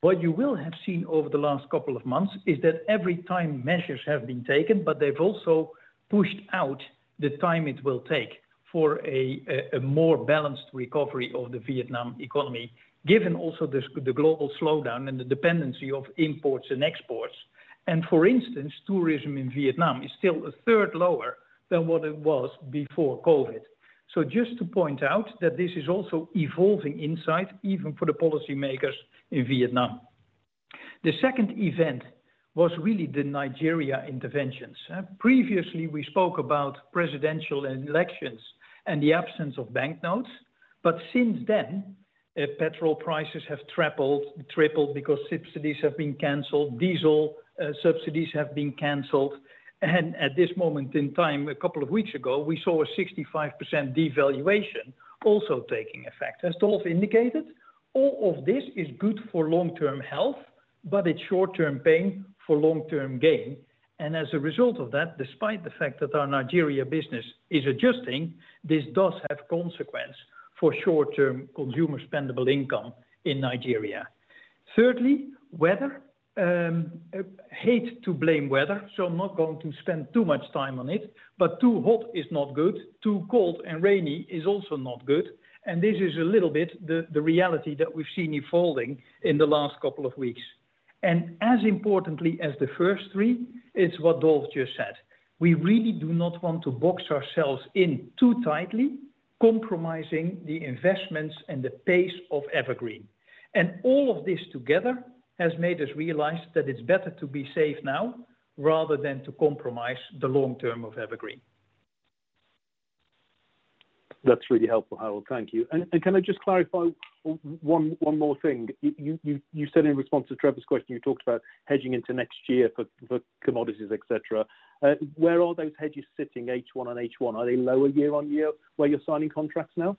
What you will have seen over the last couple of months is that every time measures have been taken, but they've also pushed out the time it will take for a more balanced recovery of the Vietnam economy, given also the global slowdown and the dependency of imports and exports. And for instance, tourism in Vietnam is still a third lower than what it was before COVID. So just to point out that this is also evolving inside, even for the policymakers in Vietnam. The second event was really the Nigeria interventions. Previously, we spoke about presidential elections and the absence of banknotes, but since then, petrol prices have tripled because subsidies have been canceled, diesel subsidies have been canceled. And at this moment in time, a couple of weeks ago, we saw a 65% devaluation also taking effect. As Dolf indicated, all of this is good for long-term health, but it's short-term pain for long-term gain. As a result of that, despite the fact that our Nigeria business is adjusting, this does have consequence for short-term consumer spendable income in Nigeria. Thirdly, weather. I hate to blame weather, so I'm not going to spend too much time on it, but too hot is not good, too cold and rainy is also not good, and this is a little bit the, the reality that we've seen unfolding in the last couple of weeks. As importantly as the first three, it's what Dolf just said: We really do not want to box ourselves in too tightly, compromising the investments and the pace of EverGreen. All of this together has made us realize that it's better to be safe now rather than to compromise the long term of EverGreen. That's really helpful, Harold. Thank you. And can I just clarify one, one more thing? You, you, you said in response to Trevor's question, you talked about hedging into next year for, for commodities, et cetera. Where are those hedges sitting, H1 and H1? Are they lower year-on-year, where you're signing contracts now?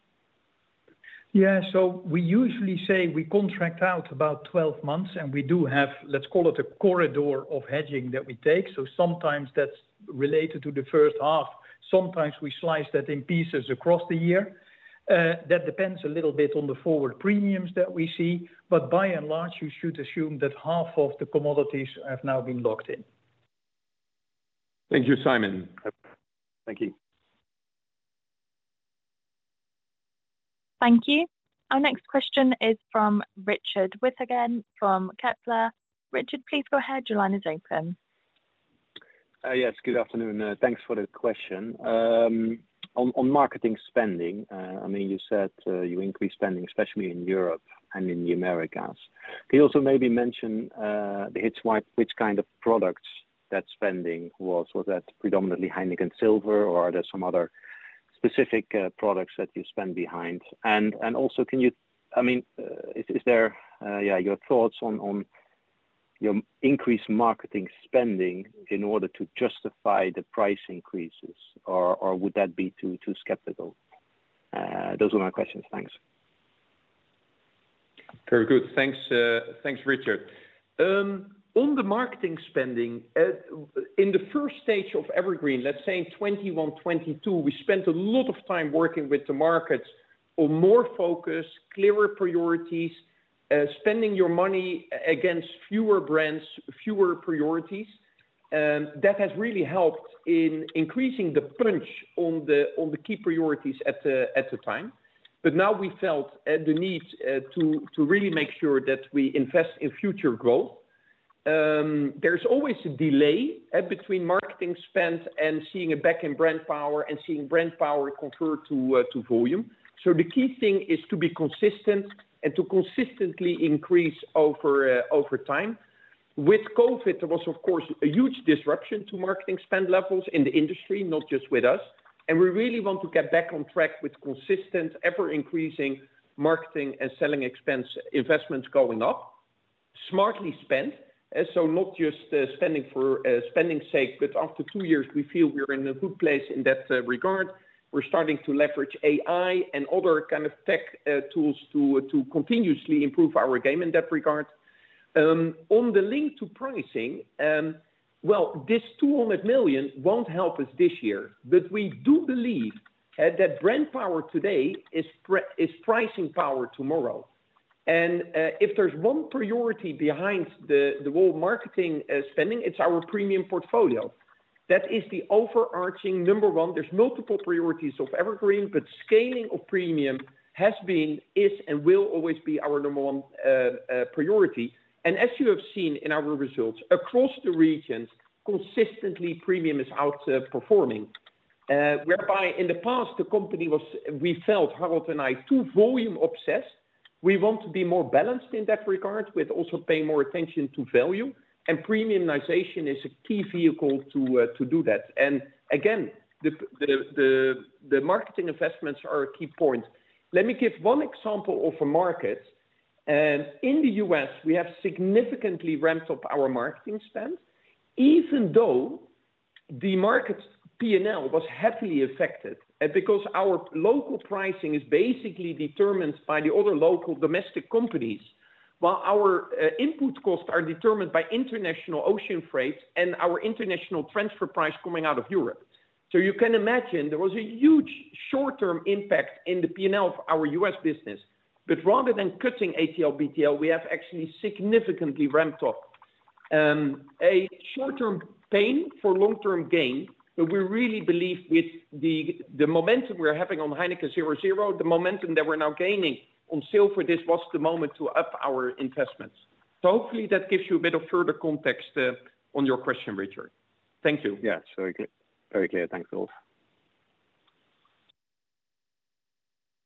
Yeah, we usually say we contract out about 12 months, and we do have, let's call it a corridor of hedging that we take. Sometimes that's related to the first half, sometimes we slice that in pieces across the year. That depends a little bit on the forward premiums that we see, but by and large, you should assume that half of the commodities have now been locked in. Thank you, Simon. Thank you. Thank you. Our next question is from Richard Withagen from Kepler Cheuvreux. Richard, please go ahead. Your line is open. Yes, good afternoon. Thanks for the question. On marketing spending, I mean, you said you increased spending, especially in Europe and in the Americas. Can you also maybe mention the hits, why, which kind of products that spending was? Was that predominantly Heineken Silver, or are there some other specific products that you spend behind? Also, can you-- I mean, is, is there, yeah, your thoughts on your increased marketing spending in order to justify the price increases, or, or would that be too, too skeptical? Those are my questions. Thanks. Very good. Thanks, thanks, Richard. On the marketing spending, in the first stage of EverGreen, let's say in 2021, 2022, we spent a lot of time working with the markets on more focus, clearer priorities, spending your money against fewer brands, fewer priorities. That has really helped in increasing the punch on the key priorities at the time. Now we felt the need to really make sure that we invest in future growth. There's always a delay between marketing spend and seeing it back in brand power and seeing brand power convert to volume. The key thing is to be consistent and to consistently increase over time. With COVID, there was, of course, a huge disruption to marketing spend levels in the industry, not just with us, and we really want to get back on track with consistent, ever-increasing marketing and selling expense investments going up, smartly spent. So not just spending for spending's sake, but after two years, we feel we're in a good place in that regard. We're starting to leverage AI and other kind of tech tools to continuously improve our game in that regard. On the link to pricing, well, this 200 million won't help us this year, but we do believe that brand power today is pricing power tomorrow. If there's one priority behind the whole marketing spending, it's our premium portfolio. That is the overarching number one. There's multiple priorities of EverGreen, scaling of premium has been, is, and will always be our number one priority. As you have seen in our results across the regions, consistently, premium is outperforming. Whereby in the past, the company was, we felt, Harold and I, too volume-obsessed. We want to be more balanced in that regard, with also paying more attention to value, and premiumization is a key vehicle to do that. Again, the marketing investments are a key point. Let me give one example of a market. In the U.S., we have significantly ramped up our marketing spend, even though the market's P&L was heavily affected, because our local pricing is basically determined by the other local domestic companies, while our input costs are determined by international ocean freight and our international transfer price coming out of Europe. You can imagine there was a huge short-term impact in the P&L of our U.S. business. Rather than cutting ATL, BTL, we have actually significantly ramped up. A short-term pain for long-term gain, but we really believe with the momentum we're having on Heineken 0.0, the momentum that we're now gaining on Heineken Silver, this was the moment to up our investments. Hopefully that gives you a bit of further context on your question, Richard. Thank you. Yeah, very clear. Very clear. Thanks a lot.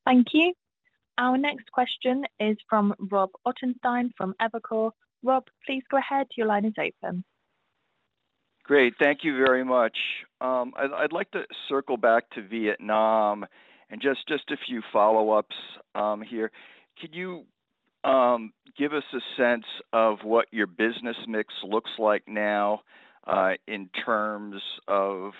Thank you. Our next question is from Robert Ottenstein, from Evercore ISI. Rob, please go ahead. Your line is open. Great. Thank you very much. I'd like to circle back to Vietnam and just a few follow-ups here. Can you give us a sense of what your business mix looks like now in terms of,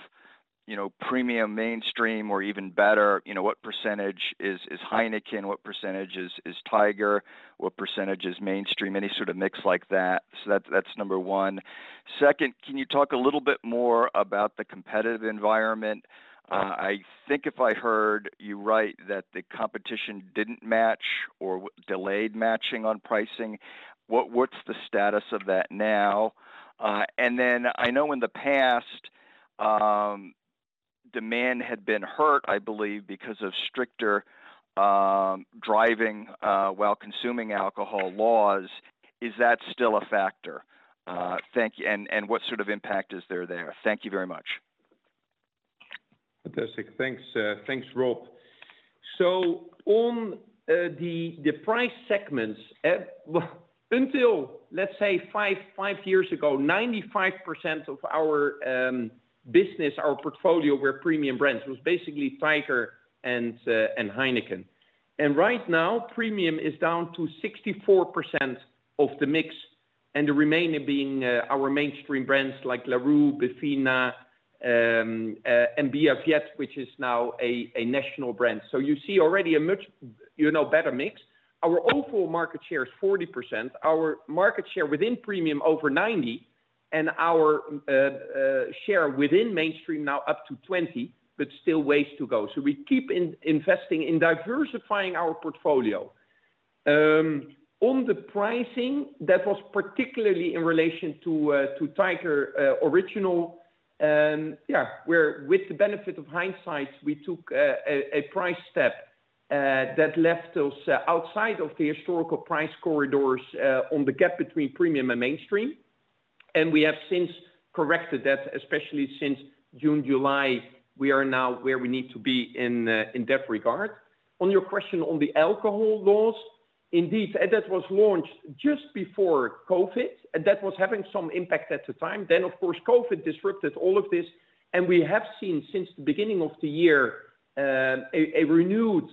you know, premium, mainstream, or even better, you know, what percentage is Heineken? What percentage is Tiger? What percentage is mainstream? Any sort of mix like that. That's number one. Second, can you talk a little bit more about the competitive environment? I think if I heard you right, that the competition didn't match or delayed matching on pricing. What's the status of that now? I know in the past, demand had been hurt, I believe, because of stricter driving while consuming alcohol laws. Is that still a factor? Thank you. What sort of impact is there there? Thank you very much. Fantastic. Thanks, thanks, Rob. On the price segments, well, until, let's say 5, 5 years ago, 95% of our business, our portfolio, were premium brands. It was basically Tiger and Heineken. Right now, premium is down to 64% of the mix, and the remaining being our mainstream brands like Larue, Bivina, and Bia Viet, which is now a national brand. You see already a much, you know, better mix. Our overall market share is 40%. Our market share within premium, over 90, and our share within mainstream now up to 20, but still ways to go. We keep investing in diversifying our portfolio. On the pricing, that was particularly in relation to Tiger Original. Yeah, where with the benefit of hindsight, we took a price step that left us outside of the historical price corridors on the gap between premium and mainstream, and we have since corrected that, especially since June, July. We are now where we need to be in that regard. On your question on the alcohol laws, indeed, and that was launched just before COVID, and that was having some impact at the time. Of course, COVID disrupted all of this, and we have seen since the beginning of the year a renewed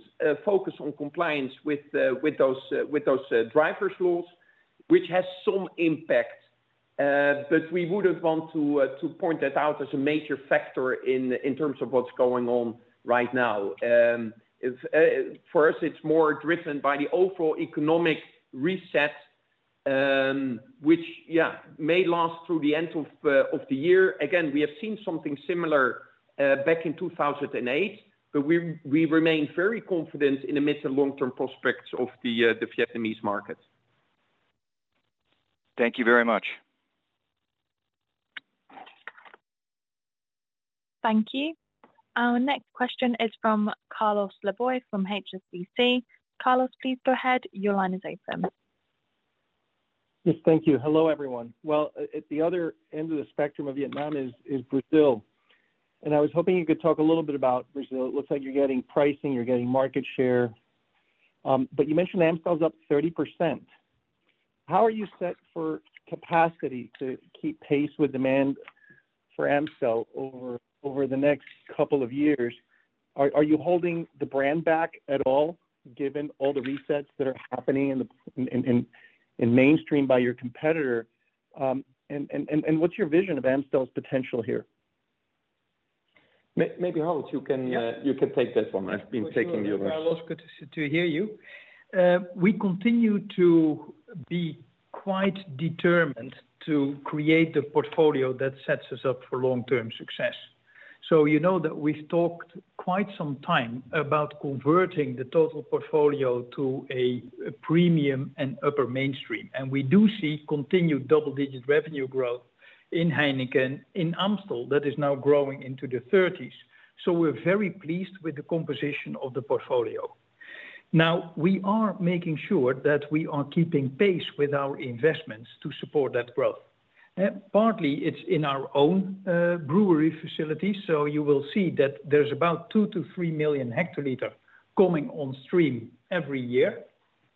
focus on compliance with those with those drivers laws, which has some impact. We wouldn't want to point that out as a major factor in terms of what's going on right now. For us, it's more driven by the overall economic reset, which may last through the end of the year. Again, we have seen something similar back in 2008, but we remain very confident in the mid and long-term prospects of the Vietnamese market. Thank you very much. Thank you. Our next question is from Carlos Laboy, from HSBC. Carlos, please go ahead. Your line is open. Yes, thank you. Hello, everyone. Well, at the other end of the spectrum of Vietnam is, is Brazil, and I was hoping you could talk a little bit about Brazil. It looks like you're getting pricing, you're getting market share, you mentioned Amstel is up 30%. How are you set for capacity to keep pace with demand for Amstel over, over the next couple of years? Are, are you holding the brand back at all, given all the resets that are happening in the, in, in, in mainstream by your competitor? What's your vision of Amstel's potential here? Maybe, Harold, you can, you can take that one. I've been taking the others. Carlos, good to hear you. We continue to be quite determined to create a portfolio that sets us up for long-term success. You know that we've talked quite some time about converting the total portfolio to a premium and upper mainstream, and we do see continued double-digit revenue growth in Heineken, in Amstel, that is now growing into the thirties. We're very pleased with the composition of the portfolio. We are making sure that we are keeping pace with our investments to support that growth. Partly, it's in our own brewery facility, so you will see that there's about 2 to 3 million hectoliter coming on stream every year.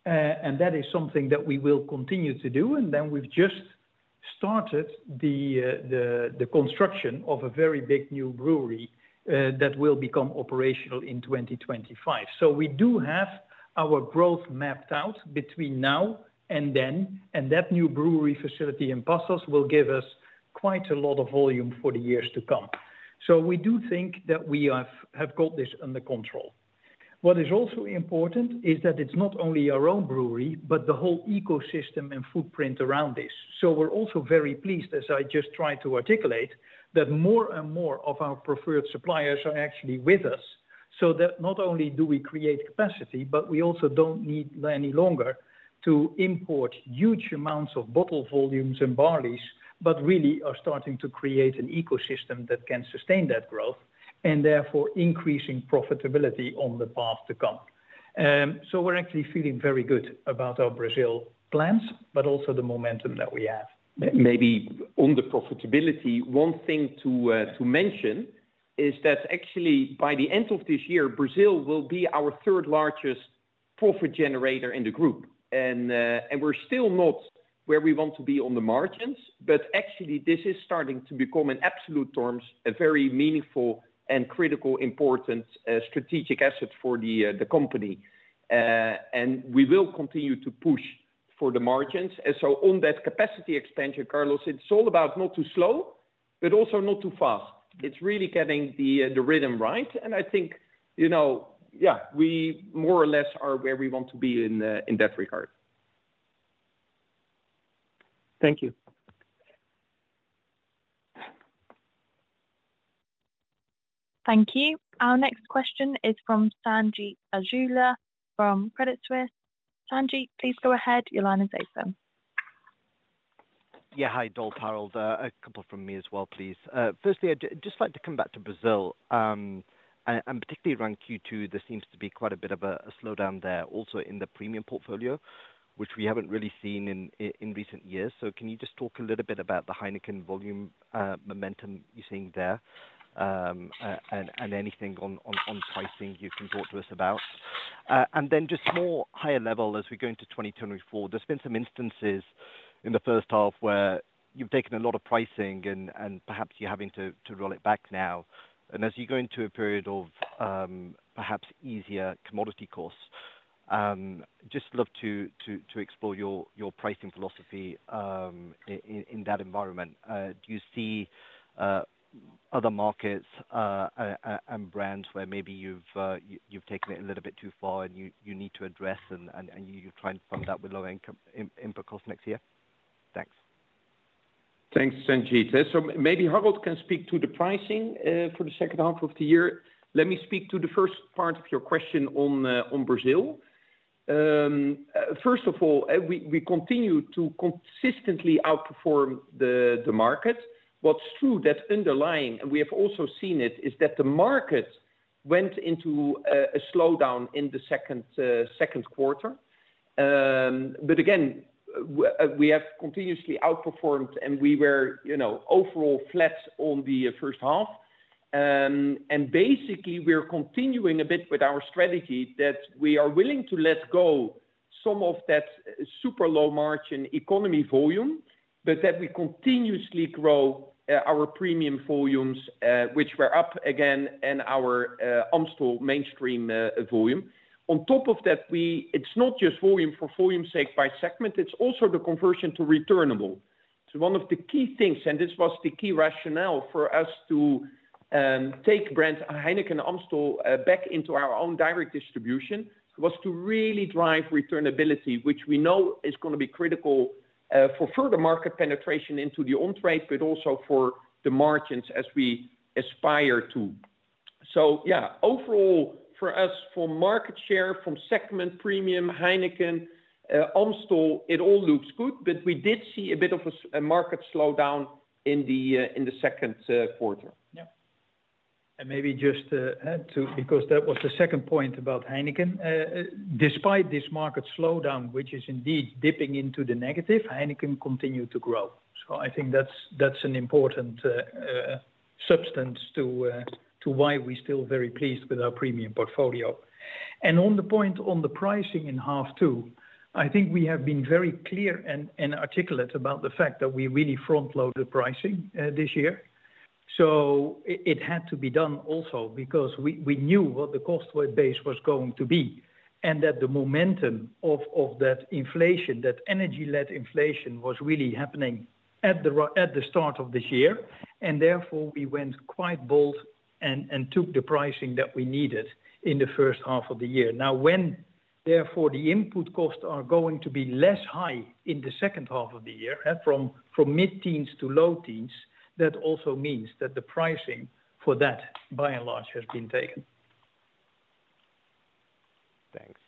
That is something that we will continue to do, and then we've just started the construction of a very big new brewery that will become operational in 2025. We do have our growth mapped out between now and then, and that new brewery facility in Passos will give us quite a lot of volume for the years to come. We do think that we have, have got this under control. What is also important is that it's not only our own brewery, but the whole ecosystem and footprint around this. We're also very pleased, as I just tried to articulate, that more and more of our preferred suppliers are actually with us, so that not only do we create capacity, but we also don't need any longer to import huge amounts of bottle volumes and barleys, but really are starting to create an ecosystem that can sustain that growth, and therefore increasing profitability on the path to come. We're actually feeling very good about our Brazil plans, but also the momentum that we have. Maybe on the profitability, one thing to mention is that actually, by the end of this year, Brazil will be our third largest profit generator in the group. We're still not where we want to be on the margins, but actually, this is starting to become, in absolute terms, a very meaningful and critical, important, strategic asset for the company. We will continue to push for the margins. On that capacity expansion, Carlos, it's all about not too slow, but also not too fast. It's really getting the rhythm right, and I think, you know, yeah, we more or less are where we want to be in that regard. Thank you. Thank you. Our next question is from Sanjeet Aujla from Credit Suisse. Sanjeet, please go ahead. Your line is open. Yeah. Hi, Dolf, Harold, a couple from me as well, please. Firstly, I'd just like to come back to Brazil. Particularly around Q2, there seems to be quite a bit of a slowdown there, also in the premium portfolio, which we haven't really seen in recent years. Can you just talk a little bit about the Heineken volume momentum you're seeing there? Anything on pricing you can talk to us about. Then just more higher level as we go into 2024, there's been some instances in the first half where you've taken a lot of pricing and perhaps you're having to roll it back now. As you go into a period of perhaps easier commodity costs, just love to explore your pricing philosophy in that environment. Do you see other markets and brands where maybe you've taken it a little bit too far, and you need to address and you're trying to fund that with low income, input costs next year? Thanks. Thanks, Sanjeet. Maybe Harold can speak to the pricing for the second half of the year. Let me speak to the first part of your question on Brazil. First of all, we continue to consistently outperform the market. What's true, that's underlying, and we have also seen it, is that the market went into a slowdown in the Q2. But again, we have continuously outperformed, and we were, you know, overall flat on the first half. And basically, we're continuing a bit with our strategy, that we are willing to let go some of that super low margin economy volume, but that we continuously grow our premium volumes, which were up again in our Amstel mainstream volume. On top of that, it's not just volume for volume sake by segment, it's also the conversion to returnable. One of the key things, and this was the key rationale for us to take brands Heineken and Amstel back into our own direct distribution, was to really drive returnability, which we know is gonna be critical for further market penetration into the on-trade, but also for the margins as we aspire to. Yeah, overall, for us, for market share, from segment premium, Heineken, Amstel, it all looks good, but we did see a bit of a market slowdown in the Q2. Yeah. Maybe just to add, too, because that was the second point about Heineken. Despite this market slowdown, which is indeed dipping into the negative, Heineken continued to grow. I think that's, that's an important substance to why we're still very pleased with our premium portfolio. On the point on the pricing in half two, I think we have been very clear and articulate about the fact that we really front-loaded pricing this year. It had to be done also because we knew what the cost base was going to be, and that the momentum of that inflation, that energy-led inflation, was really happening at the start of this year, therefore, we went quite bold and took the pricing that we needed in the first half of the year. Now, when, therefore, the input costs are going to be less high in the second half of the year, and from mid-teens to low teens. That also means that the pricing for that, by and large, has been taken. Thanks.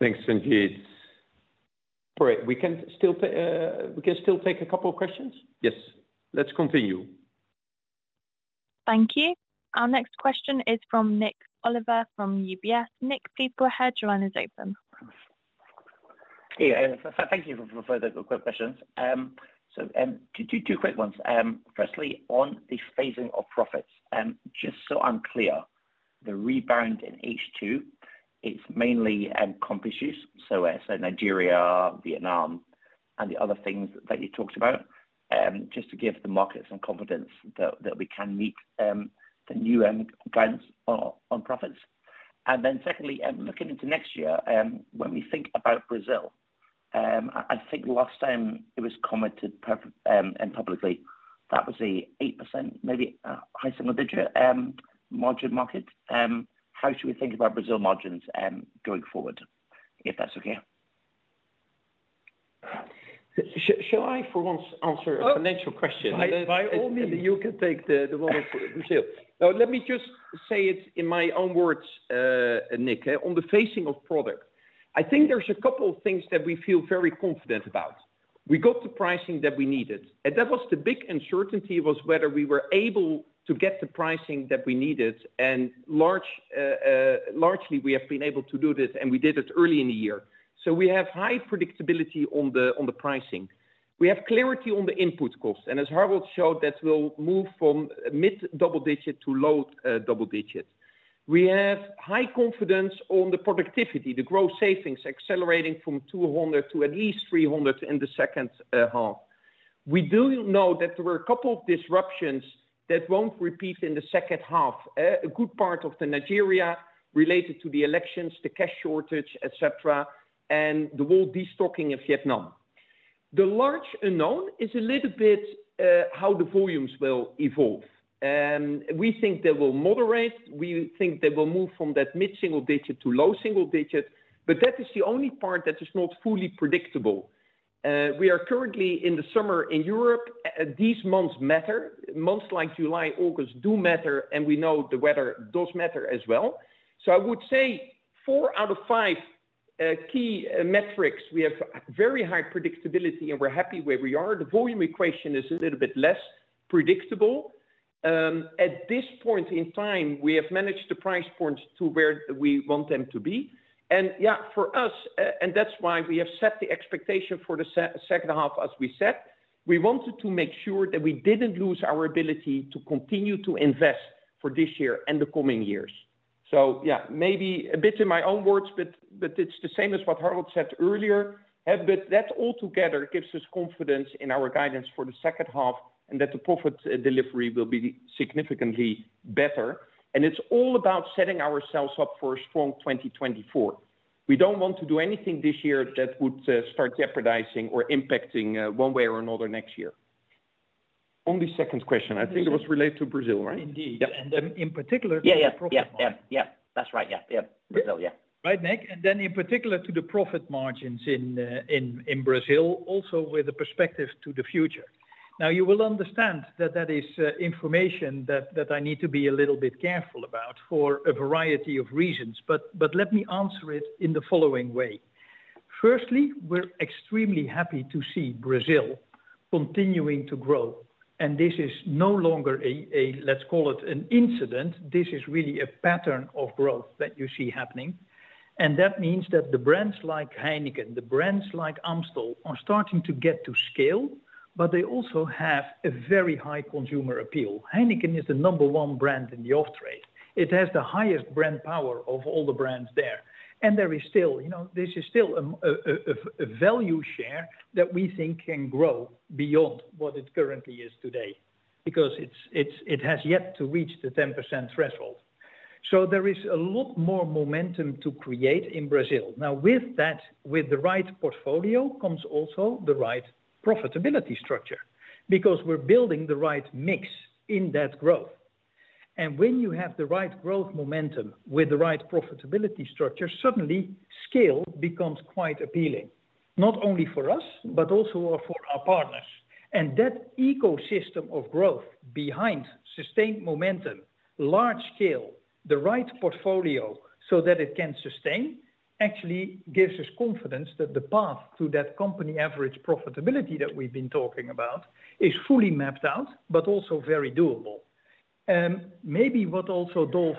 Thanks, indeed. Great, we can still take a couple of questions? Yes, let's continue. Thank you. Our next question is from Nik Oliver, from UBS. Nik, please go ahead. Your line is open. Hey, thank you for further quick questions. So, two, two quick ones. Firstly, on the phasing of profits, just so I'm clear, the rebound in H2, it's mainly comp issues, so Nigeria, Vietnam, and the other things that you talked about, just to give the market some confidence that we can meet the new guidance on profits. Then secondly, looking into next year, when we think about Brazil, I think last time it was commented and publicly, that was a 8%, maybe, high single digit margin market. How should we think about Brazil margins going forward? If that's okay. Shall I, for once, answer a financial question? By all means, you can take the, the role of Brazil. No, let me just say it in my own words, Nik. On the phasing of profit, I think there's a couple of things that we feel very confident about. We got the pricing that we needed, and that was the big uncertainty, was whether we were able to get the pricing that we needed, and largely, we have been able to do this, and we did it early in the year. We have high predictability on the pricing. We have clarity on the input costs, and as Harold showed, that will move from mid double digit to low double digit. We have high confidence on the productivity, the growth savings accelerating from 200 to at least 300 in the second half. We do know that there were a couple of disruptions that won't repeat in the second half. A good part of the Nigeria related to the elections, the cash shortage, et cetera, and the whole destocking of Vietnam. The large unknown is a little bit how the volumes will evolve. We think they will moderate, we think they will move from that mid-single digit to low single digit, but that is the only part that is not fully predictable. We are currently in the summer in Europe. These months matter. Months like July, August, do matter, and we know the weather does matter as well. I would say four out of five key metrics, we have very high predictability, and we're happy where we are. The volume equation is a little bit less predictable. At this point in time, we have managed the price points to where we want them to be. Yeah, for us, and that's why we have set the expectation for the second half as we set. We wanted to make sure that we didn't lose our ability to continue to invest for this year and the coming years. Yeah, maybe a bit in my own words, but it's the same as what Harold said earlier. That altogether gives us confidence in our guidance for the second half, and that the profit delivery will be significantly better. It's all about setting ourselves up for a strong 2024. We don't want to do anything this year that would start jeopardizing or impacting one way or another next year. On the second question, I think it was related to Brazil, right? Indeed. Yeah. In particular. Yeah, yeah. To the profit margin. Yeah, yeah. That's right. Yeah. Yeah. Brazil, yeah. Right, Nik, then in particular, to the profit margins in Brazil, also with a perspective to the future. You will understand that that is information that I need to be a little bit careful about for a variety of reasons, but let me answer it in the following way. Firstly, we're extremely happy to see Brazil continuing to grow, this is no longer a, let's call it an incident. This is really a pattern of growth that you see happening. That means that the brands like Heineken, the brands like Amstel, are starting to get to scale, but they also have a very high consumer appeal. Heineken is the number one brand in the off trade. It has the highest brand power of all the brands there. There is still, you know, this is still a value share that we think can grow beyond what it currently is today, because it's, it's, it has yet to reach the 10% threshold. There is a lot more momentum to create in Brazil. Now, with that, with the right portfolio, comes also the right profitability structure, because we're building the right mix in that growth. When you have the right growth momentum with the right profitability structure, suddenly scale becomes quite appealing, not only for us, but also for our partners. That ecosystem of growth behind sustained momentum, large scale, the right portfolio, so that it can sustain, actually gives us confidence that the path to that company average profitability that we've been talking about is fully mapped out, but also very doable. Maybe what also Dolf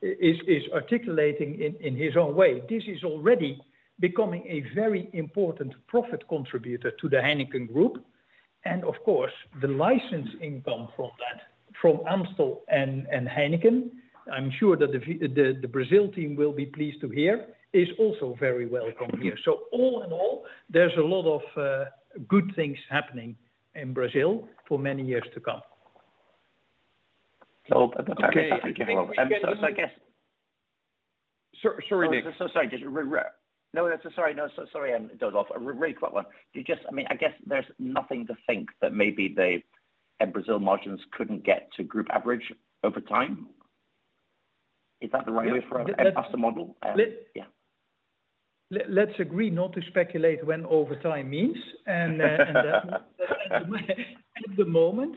is, is articulating in, in his own way, this is already becoming a very important profit contributor to the Heineken Group. Of course, the license income from that, from Amstel and, and Heineken, I'm sure that the Brazil team will be pleased to hear, is also very welcome here. All in all, there's a lot of good things happening in Brazil for many years to come. But thank you very much. Okay, I think we can. So I guess. Sorry, Nik. Sorry. No, sorry. No, so sorry, Dolf, a really quick one. Do you just, I mean, I guess there's nothing to think that maybe and Brazil margins couldn't get to group average over time? Is that the right way for us and ask the model? Yeah. Let's agree not to speculate when over time means, and, at the moment.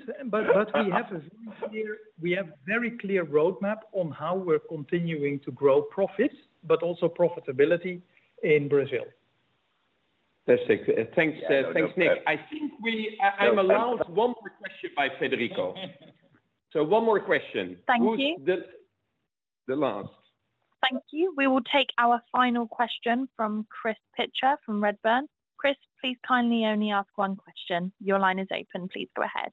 We have very clear roadmap on how we're continuing to grow profits, but also profitability in Brazil. Perfect. Thanks, thanks, Nik. I think I'm allowed one more question by Federico. One more question. Thank you. Who's the, the last? Thank you. We will take our final question from Chris Pitcher, from Redburn. Chris, please kindly only ask one question. Your line is open. Please go ahead.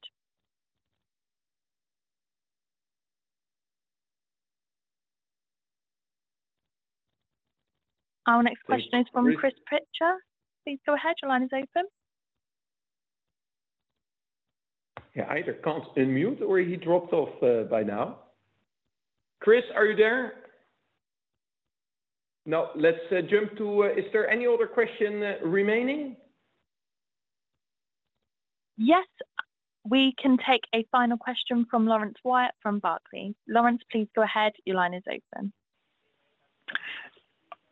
Our next question is from Chris Pitcher. Please go ahead. Your line is open. Yeah, either Chris in mute or he dropped off, by now. Chris, are you there? Let's jump to, is there any other question remaining? Yes, we can take a final question from Laurence Whyatt from Barclays. Laurence, please go ahead. Your line is open.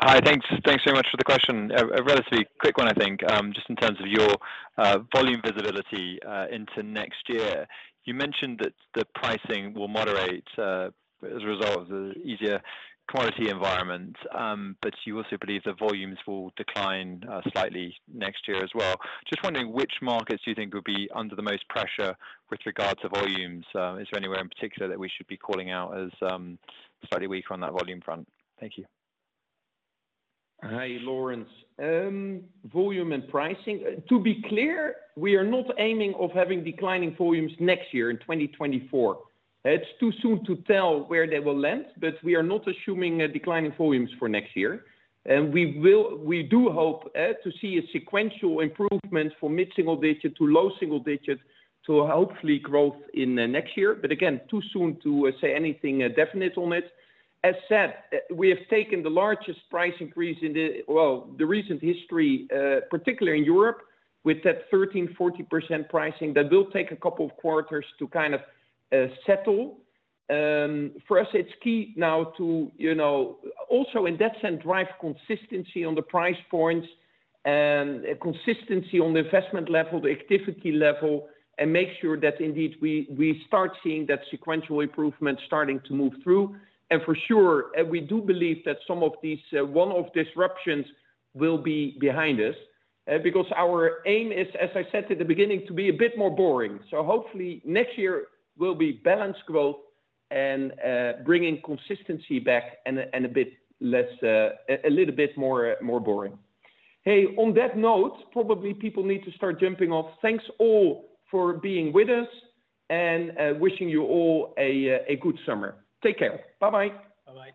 Hi, thanks. Thanks so much for the question. A relatively quick one, I think, just in terms of your volume visibility into next year. You mentioned that the pricing will moderate as a result of the easier quality environment, but you also believe the volumes will decline slightly next year as well. Just wondering which markets you think will be under the most pressure with regards to volumes? Is there anywhere in particular that we should be calling out as slightly weak on that volume front? Thank you. Hi, Laurence. Volume and pricing. To be clear, we are not aiming of having declining volumes next year in 2024. It's too soon to tell where they will land, but we are not assuming a decline in volumes for next year. We will-- we do hope to see a sequential improvement for mid-single digit to low single digit to hopefully growth in the next year. Again, too soon to say anything definite on it. As said, we have taken the largest price increase in the... Well, the recent history, particularly in Europe, with that 13-40% pricing, that will take a couple of quarters to kind of settle. For us, it's key now to, you know, also in that sense, drive consistency on the price points and consistency on the investment level, the activity level, and make sure that indeed we, we start seeing that sequential improvement starting to move through. For sure, we do believe that some of these one-off disruptions will be behind us because our aim is, as I said at the beginning, to be a bit more boring. Hopefully next year will be balanced growth and bringing consistency back and a bit less, a little bit more, more boring. On that note, probably people need to start jumping off. Thanks all for being with us and wishing you all a good summer. Take care. Bye-bye. Bye-bye.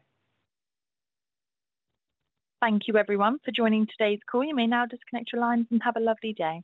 Thank you everyone for joining today's call. You may now disconnect your lines and have a lovely day.